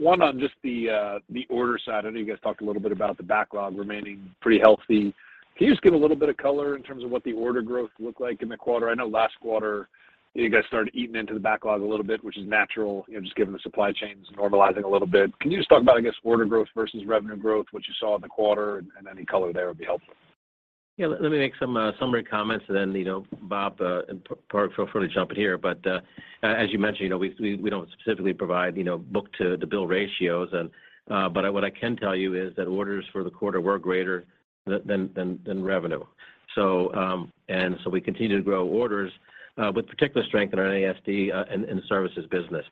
one on just the order side. I know you guys talked a little bit about the backlog remaining pretty healthy. Can you just give a little bit of color in terms of what the order growth looked like in the quarter? I know last quarter you guys started eating into the backlog a little bit, which is natural, you know, just given the supply chains normalizing a little bit. Can you just talk about, I guess, order growth versus revenue growth, what you saw in the quarter, and any color there would be helpful? Yeah, let me make some summary comments, you know, Bob, feel free to jump in here. As you mentioned, you know, we don't specifically provide, you know, book to bill ratios, what I can tell you is that orders for the quarter were greater than revenue. We continue to grow orders with particular strength in our ACD and services business.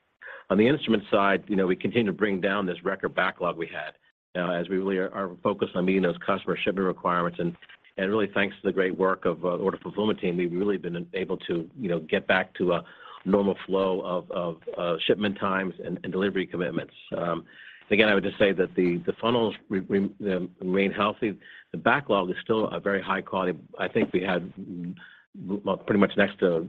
On the instrument side, you know, we continue to bring down this record backlog we had, as we really are focused on meeting those customer shipping requirements, and really thanks to the great work of our order fulfillment team, we've really been able to, you know, get back to a normal flow of shipment times and delivery commitments. Again, I would just say that the funnels remain healthy. The backlog is still a very high quality. I think we had well, pretty much next to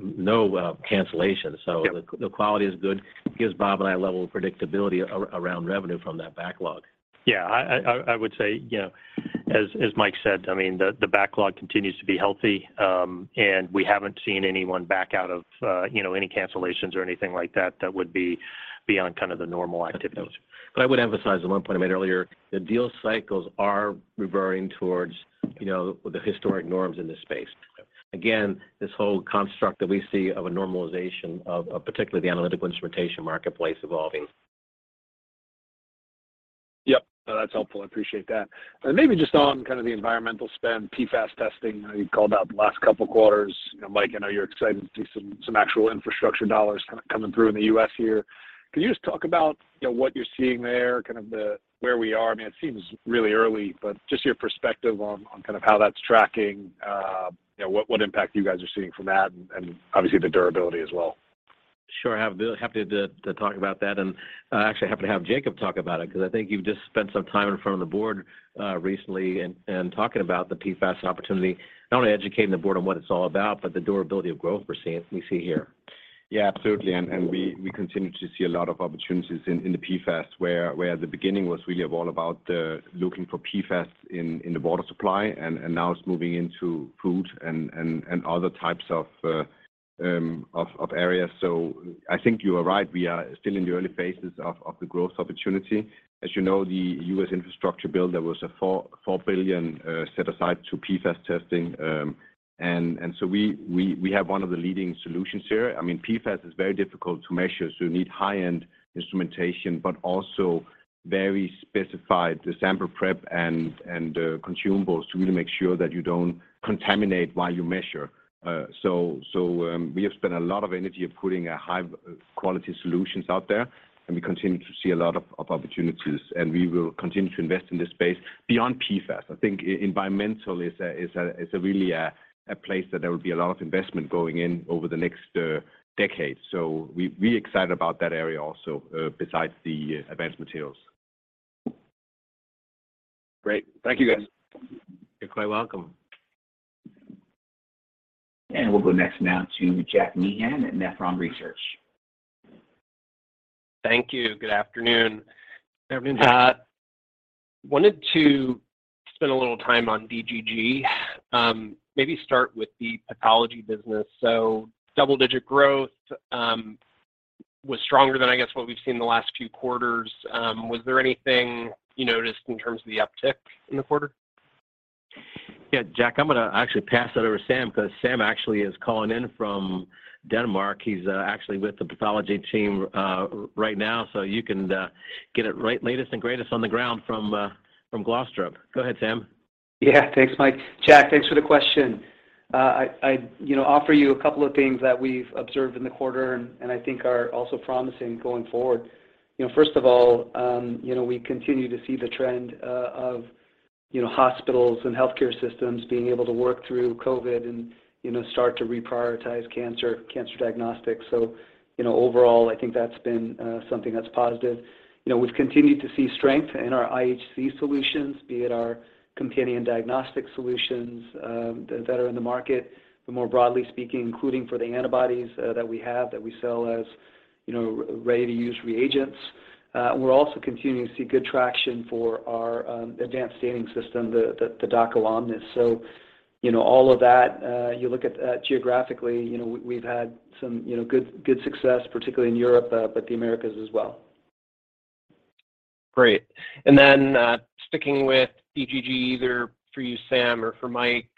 no cancellations. Yeah. The quality is good. Gives Bob and I a level of predictability around revenue from that backlog. I would say, you know, as Mike said, I mean, the backlog continues to be healthy. We haven't seen anyone back out of, you know, any cancellations or anything like that that would be beyond kind of the normal activities. I would emphasize the one point I made earlier, the deal cycles are reverting towards, you know, the historic norms in this space. Okay. This whole construct that we see of a normalization of particularly the analytic instrumentation marketplace evolving. Yep, no, that's helpful. I appreciate that. Maybe just on kind of the environmental spend, PFAS testing. I know you called out the last couple of quarters. You know, Mike, I know you're excited to see some actual infrastructure dollars kind of coming through in the U.S. here. Can you just talk about, you know, what you're seeing there, kind of the, where we are? I mean, it seems really early, but just your perspective on kind of how that's tracking, you know, what impact you guys are seeing from that and obviously the durability as well. Sure. Happy to talk about that, and actually happy to have Jacob talk about it, because I think you've just spent some time in front of the board recently and talking about the PFAS opportunity, not only educating the board on what it's all about, but the durability of growth we see here. Yeah, absolutely. And we continue to see a lot of opportunities in the PFAS where the beginning was really all about looking for PFAS in the water supply and now it's moving into food and other types of areas. I think you are right. We are still in the early phases of the growth opportunity. As you know, the U.S. Infrastructure Bill, there was a $4 billion set aside to PFAS testing, and so we have one of the leading solutions here. I mean, PFAS is very difficult to measure, so you need high-end instrumentation, but also very specified the sample prep and consumables to really make sure that you don't contaminate while you measure. We have spent a lot of energy of putting a high quality solutions out there, and we continue to see a lot of opportunities, and we will continue to invest in this space beyond PFAS. I think environmental is a really a place that there will be a lot of investment going in over the next decade. We excited about that area also, besides the advanced materials. Great. Thank you, guys. You're quite welcome. We'll go next now to Jack Meehan at Nephron Research. Thank you. Good afternoon, everyone. Wanted to spend a little time on DGG. Maybe start with the pathology business. Double-digit growth, was stronger than I guess what we've seen the last few quarters. Was there anything you noticed in terms of the uptick in the quarter? Yeah, Jack, I'm going to actually pass that over to Sam, because Sam actually is calling in from Denmark. He's actually with the pathology team right now, so you can get it right latest and greatest on the ground from Glostrup. Go ahead, Sam. Yeah. Thanks, Mike. Jack, thanks for the question. I, you know, offer you a couple of things that we've observed in the quarter and I think are also promising going forward. You know, first of all, you know, we continue to see the trend of, you know, hospitals and healthcare systems being able to work through COVID and, you know, start to reprioritize cancer diagnostics. You know, overall, I think that's been something that's positive. You know, we've continued to see strength in our IHC solutions, be it our companion diagnostic solutions that are in the market, but more broadly speaking, including for the antibodies that we have, that we sell as, you know, ready-to-use reagents. We're also continuing to see good traction for our advanced staining system, the Dako Omnis. you know, all of that, you look at, geographically, you know, we've had some, you know, good success, particularly in Europe, but the Americas as well. Great. Sticking with DGG, either for you, Sam, or for Mike,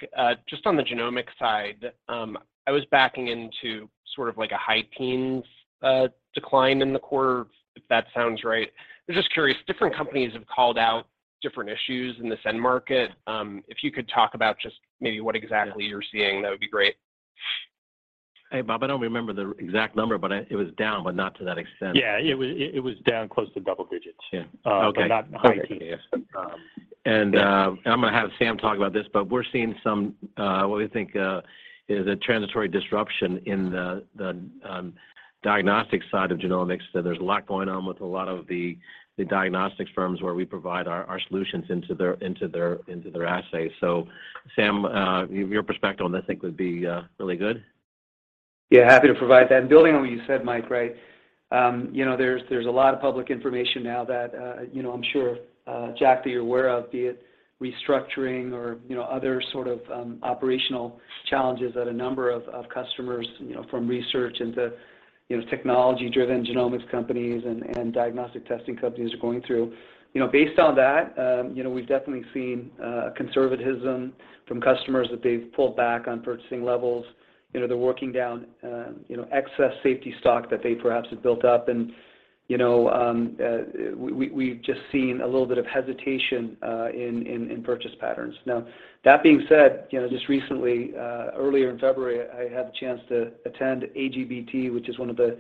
just on the genomic side, I was backing into sort of like a high teens, decline in the quarter, if that sounds right. I'm just curious, different companies have called out different issues in this end market. If you could talk about just maybe what exactly you're seeing, that would be great. Hey, Bob, I don't remember the exact number, but it was down, but not to that extent. Yeah. It was down close to double digits. Yeah. Okay. Not high teens. Okay. I'm going to have Sam talk about this, but we're seeing some what we think is a transitory disruption in the diagnostic side of genomics. There's a lot going on with a lot of the diagnostics firms where we provide our solutions into their assays. Sam, your perspective on this, I think, would be really good. Yeah, happy to provide that. Building on what you said, Mike, right, you know, there's a lot of public information now that, you know, I'm sure, Jack, that you're aware of, be it restructuring or, you know, other sort of, operational challenges that a number of customers, you know, from research into, you know, technology-driven genomics companies and, diagnostic testing companies are going through. You know, based on that, you know, we've definitely seen conservatism from customers that they've pulled back on purchasing levels. You know, they're working down, you know, excess safety stock that they perhaps have built up and, you know, we've just seen a little bit of hesitation in purchase patterns. That being said, you know, just recently, earlier in February, I had the chance to attend AGBT, which is one of the,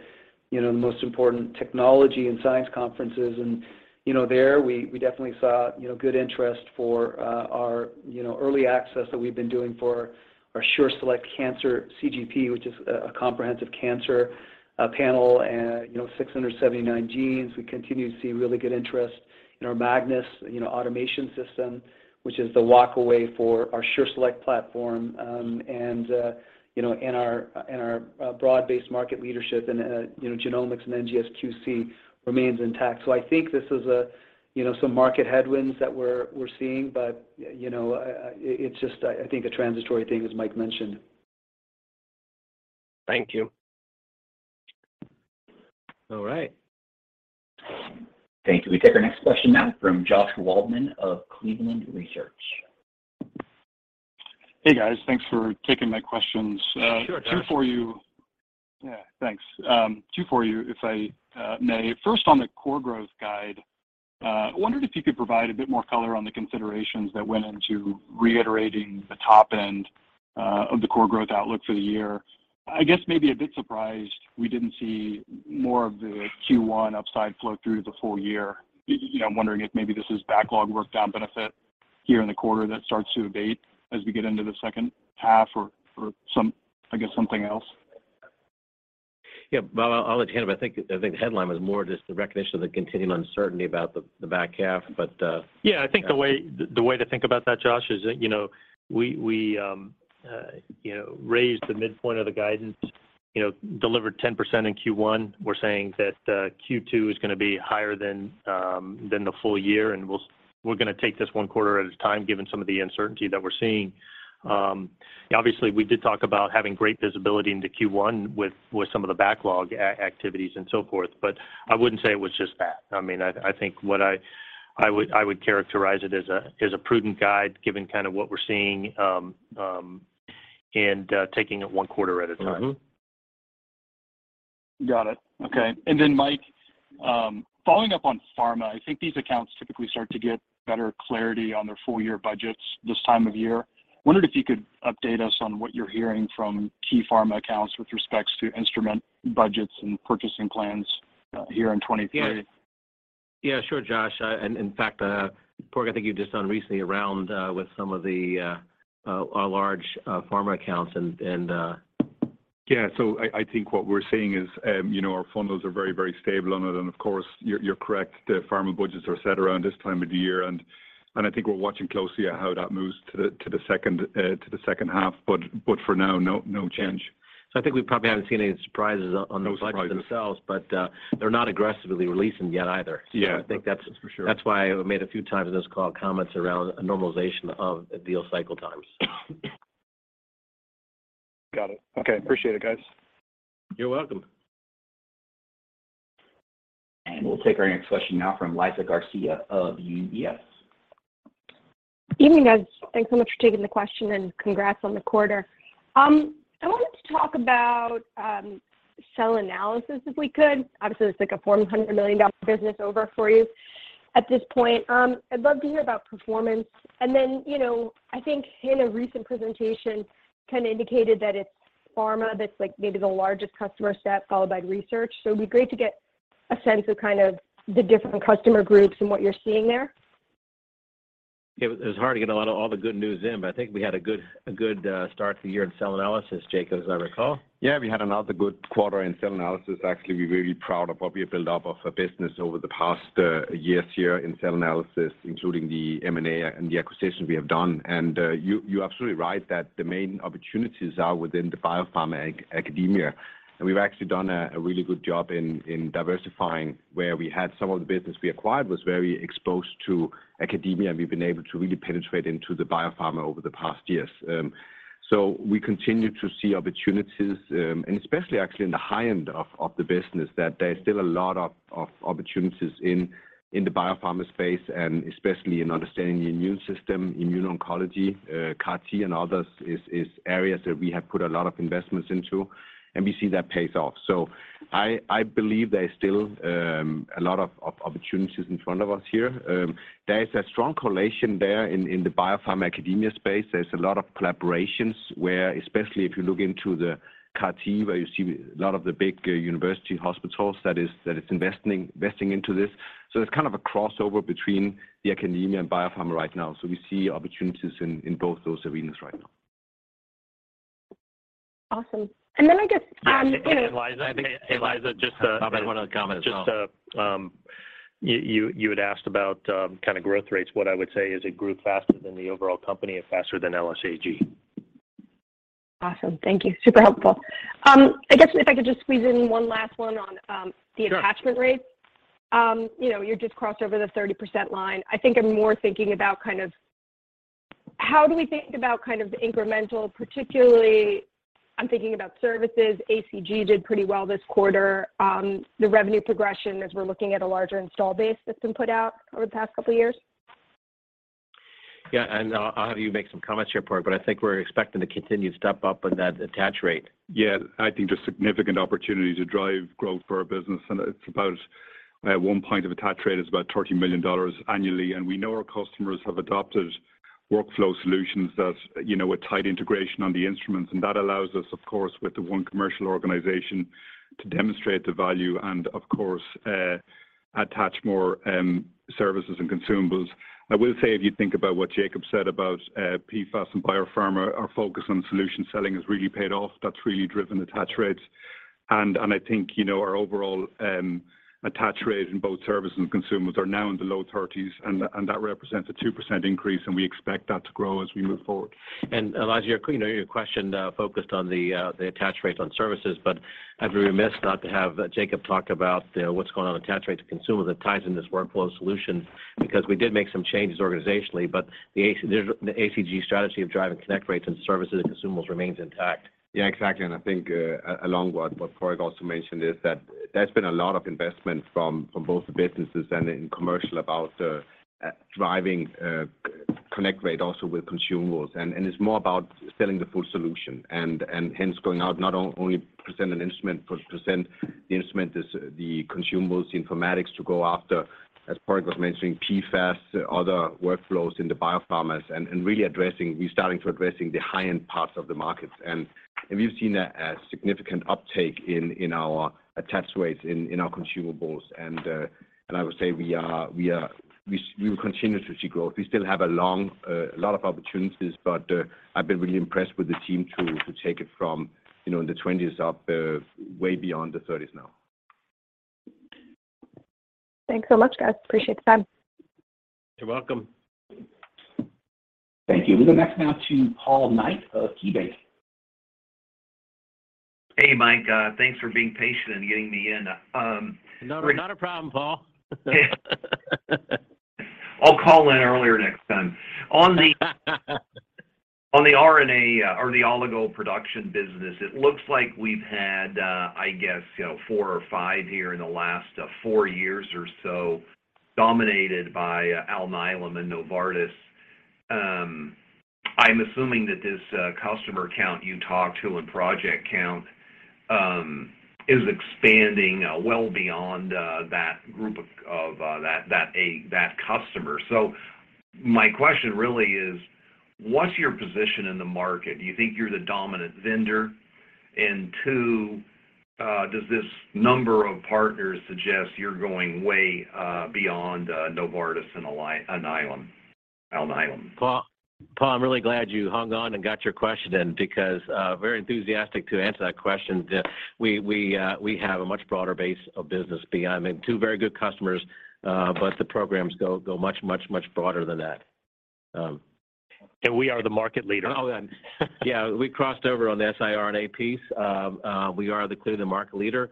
you know, most important technology and science conferences and, you know, there we definitely saw, you know, good interest for our, you know, early access that we've been doing for our SureSelect Cancer CGP, which is a comprehensive cancer panel and, you know, 679 genes. We continue to see really good interest in our Magnis, you know, automation system, which is the walkaway for our SureSelect platform, and, you know, and our broad-based market leadership and, you know, genomics and NGS QC remains intact. I think this is a, you know, some market headwinds that we're seeing, but, you know, it's just I think a transitory thing, as Mike mentioned. Thank you. All right. Thank you. We take our next question now from Joshua Waldman of Cleveland Research. Hey, guys. Thanks for taking my questions. Sure, Josh. Two for you. Yeah, thanks. Two for you, if I may. First, on the core growth guide, wondered if you could provide a bit more color on the considerations that went into reiterating the top end of the core growth outlook for the year. I guess maybe a bit surprised we didn't see more of the Q1 upside flow through the full year. You know, I'm wondering if maybe this is backlog work down benefit here in the quarter that starts to abate as we get into the second half or some. I guess something else. Yeah. Well, I'll let you handle, but I think the headline was more just the recognition of the continuing uncertainty about the back half. Yeah, I think the way to think about that, Josh, is that, you know, we raised the midpoint of the guidance, you know, delivered 10% in Q1. We're saying that Q2 is going to be higher than the full year, we're going to take this one quarter at a time, given some of the uncertainty that we're seeing. Obviously, we did talk about having great visibility into Q1 with some of the backlog activities and so forth, I wouldn't say it was just that. I mean, I think what I would characterize it as a prudent guide, given kind of what we're seeing, taking it 1 quarter at a time. Got it. Okay. Mike, following up on pharma, I think these accounts typically start to get better clarity on their full-year budgets this time of year. Wondered if you could update us on what you're hearing from key pharma accounts with respects to instrument budgets and purchasing plans here in 2023? Yeah. Yeah. Sure, Josh. In fact, Padraig, I think you've just done recently a round with some of the our large pharma accounts and. Yeah. I think what we're seeing is, you know, our funnels are very, very stable on it, and of course, you're correct. The pharma budgets are set around this time of year, and I think we're watching closely at how that moves to the second half. For now, no change. I think we probably haven't seen any surprises on the budgets themselves. No surprises. They're not aggressively releasing yet either. Yeah. I think that's- For sure. That's why I made a few times in this call comments around a normalization of the deal cycle times. Got it. Okay. Appreciate it, guys. You're welcome. We'll take our next question now from Elizabeth Garcia of UBS. Evening, guys. Thanks so much for taking the question, congrats on the quarter. I wanted to talk about cell analysis, if we could. Obviously, this is like a $400 million business over for you at this point. I'd love to hear about performance and then, you know, I think in a recent presentation kind of indicated that it's pharma that's like maybe the largest customer set followed by research. It'd be great to get a sense of kind of the different customer groups and what you're seeing there. It was hard to get a lot of all the good news in, but I think we had a good start to the year in cell analysis, Jake, as I recall. Yeah. We had another good quarter in cell analysis. Actually, we're really proud of what we have built up of a business over the past years here in cell analysis, including the M&A and the acquisitions we have done. You, you're absolutely right that the main opportunities are within the biopharma academia, and we've actually done a really good job in diversifying where we had some of the business we acquired was very exposed to academia, and we've been able to really penetrate into the biopharma over the past years. We continue to see opportunities, and especially actually in the high end of the business that there's still a lot of opportunities in the biopharma space and especially in understanding the immune system, immune oncology, CAR T and others is areas that we have put a lot of investments into, and we see that pays off. I believe there is still a lot of opportunities in front of us here. There is a strong correlation there in the biopharma academia space. There's a lot of collaborations where, especially if you look into the CAR T, where you see a lot of the big university hospitals that is investing into this. There's kind of a crossover between the academia and biopharma right now. We see opportunities in both those arenas right now. Awesome. I guess, you know. Liza, I think. Hey, Liza, just, I might want to comment as well. You had asked about kind of growth rates. What I would say is it grew faster than the overall company and faster than LSAG. Awesome. Thank you. Super helpful. I guess if I could just squeeze in one last one on. Sure the attachment rates. you know, you just crossed over the 30% line. I think I'm more thinking about kind of how do we think about kind of the incremental, particularly I'm thinking about services. ACG did pretty well this quarter. The revenue progression as we're looking at a larger install base that's been put out over the past couple years. Yeah, and I'll have you make some comments here, Pad, but I think we're expecting to continue to step up on that attach rate. Yeah. I think there's significant opportunity to drive growth for our business, and it's about at one point of attach rate is about $30 million annually. We know our customers have adopted workflow solutions that, you know, with tight integration on the instruments. That allows us, of course, with the one commercial organization to demonstrate the value and of course, attach more services and consumables. I will say if you think about what Jacob said about PFAS and biopharma, our focus on solution selling has really paid off. That's really driven attach rates. I think, you know, our overall attach rate in both service and consumables are now in the low thirties, and that represents a 2% increase, and we expect that to grow as we move forward. Elizabeth, you know, your question focused on the attach rate on services, but I'd be remiss not to have Jacob talk about what's going on with attach rate to consumers that ties in this workflow solution because we did make some changes organizationally. The ACG strategy of driving connect rates and services and consumables remains intact. Exactly, and I think, along what Padraig also mentioned is that there's been a lot of investment from both the businesses and in commercial about, driving, connect rate also with consumables. It's more about selling the full solution and hence going out not only present an instrument, but present the instrument, the consumables, the informatics to go after, as Padraig was mentioning, PFAS, other workflows in the biopharmas and we're starting to addressing the high-end parts of the markets. We've seen a significant uptake in our attach rates in our consumables. I would say we will continue to see growth. We still have a long, a lot of opportunities, but, I've been really impressed with the team to take it from, you know, the 20s up, way beyond the 30s now. Thanks so much, guys. Appreciate the time. You're welcome. Thank you. We'll go next now to Paul Knight of KeyBanc. Hey, Mike, thanks for being patient and getting me in. Not a problem, Paul. I'll call in earlier next time. On the RNA, or the oligo production business, it looks like we've had, I guess, you know, four or five here in the last four years or so dominated by Alnylam and Novartis. I'm assuming that this customer count you talked to and project count is expanding well beyond that group of that customer. My question really is, what's your position in the market? Do you think you're the dominant vendor? Two, does this number of partners suggest you're going way beyond Novartis and Alnylam? Paul, I'm really glad you hung on and got your question in because very enthusiastic to answer that question. We have a much broader base of business beyond I mean, two very good customers, but the programs go much, much, much broader than that. We are the market leader. Oh, yeah. Yeah. We crossed over on the siRNA piece. We are the clear the market leader.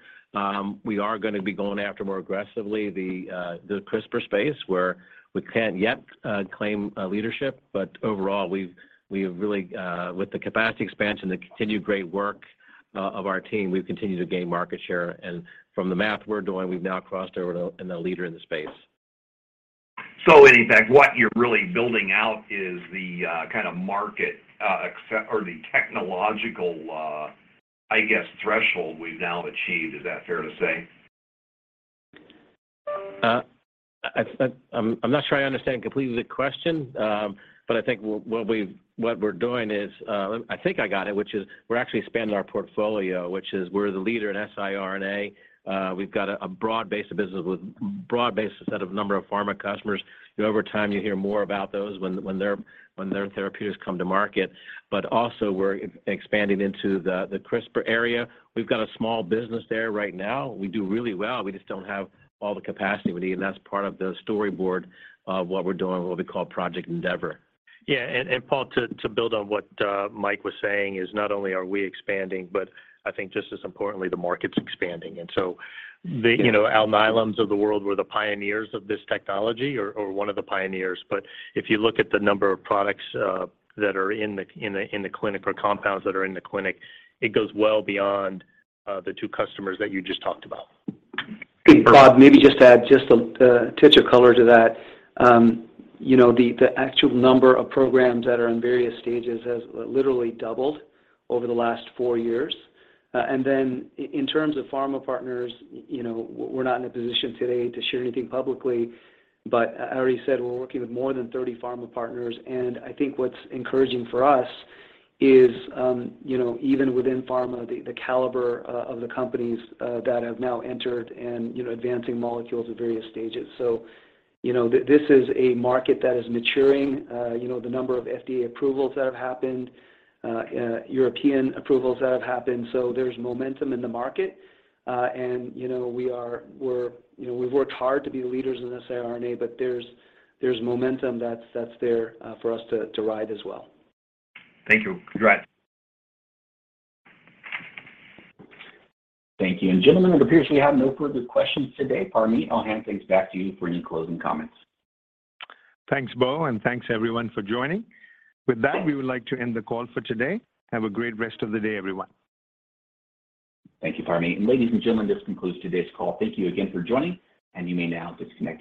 We are going to be going after more aggressively the CRISPR space, where we can't yet claim leadership. Overall, we've really with the capacity expansion, the continued great work of our team, we've continued to gain market share. From the math we're doing, we've now crossed over in the leader in the space. In effect, what you're really building out is the, kind of market, or the technological, I guess, threshold we've now achieved. Is that fair to say? I'm not sure I understand completely the question. I think what we're doing is, I think I got it, which is we're actually expanding our portfolio, which is we're the leader in siRNA. We've got a broad base of business with broad base set of number of pharma customers. You know, over time, you hear more about those when their therapeutics come to market. Also we're expanding into the CRISPR area. We've got a small business there right now. We do really well. We just don't have all the capacity we need, and that's part of the storyboard of what we're doing, what we call Project Endeavor. Yeah. Paul, to build on what Mike was saying is not only are we expanding, but I think just as importantly, the market's expanding. The, you know, Alnylams of the world were the pioneers of this technology or one of the pioneers. If you look at the number of products that are in the clinic or compounds that are in the clinic, it goes well beyond the two customers that you just talked about. Pad, maybe just to add just a touch of color to that. You know, the actual number of programs that are in various stages has literally doubled over the last four years. Then in terms of pharma partners, you know, we're not in a position today to share anything publicly. I already said we're working with more than 30 pharma partners, and I think what's encouraging for us is, you know, even within pharma, the caliber of the companies that have now entered and, you know, advancing molecules at various stages. You know, this is a market that is maturing. You know, the number of FDA approvals that have happened, European approvals that have happened, there's momentum in the market. You know, we're, you know, we've worked hard to be leaders in the siRNA, but there's momentum that's there for us to ride as well. Thank you. Congrats. Thank you. Gentlemen, it appears we have no further questions today. Parmeet, I'll hand things back to you for any closing comments. Thanks, Bo, and thanks everyone for joining. With that, we would like to end the call for today. Have a great rest of the day, everyone. Thank you, Parmeet. Ladies and gentlemen, this concludes today's call. Thank you again for joining, and you may now disconnect your lines.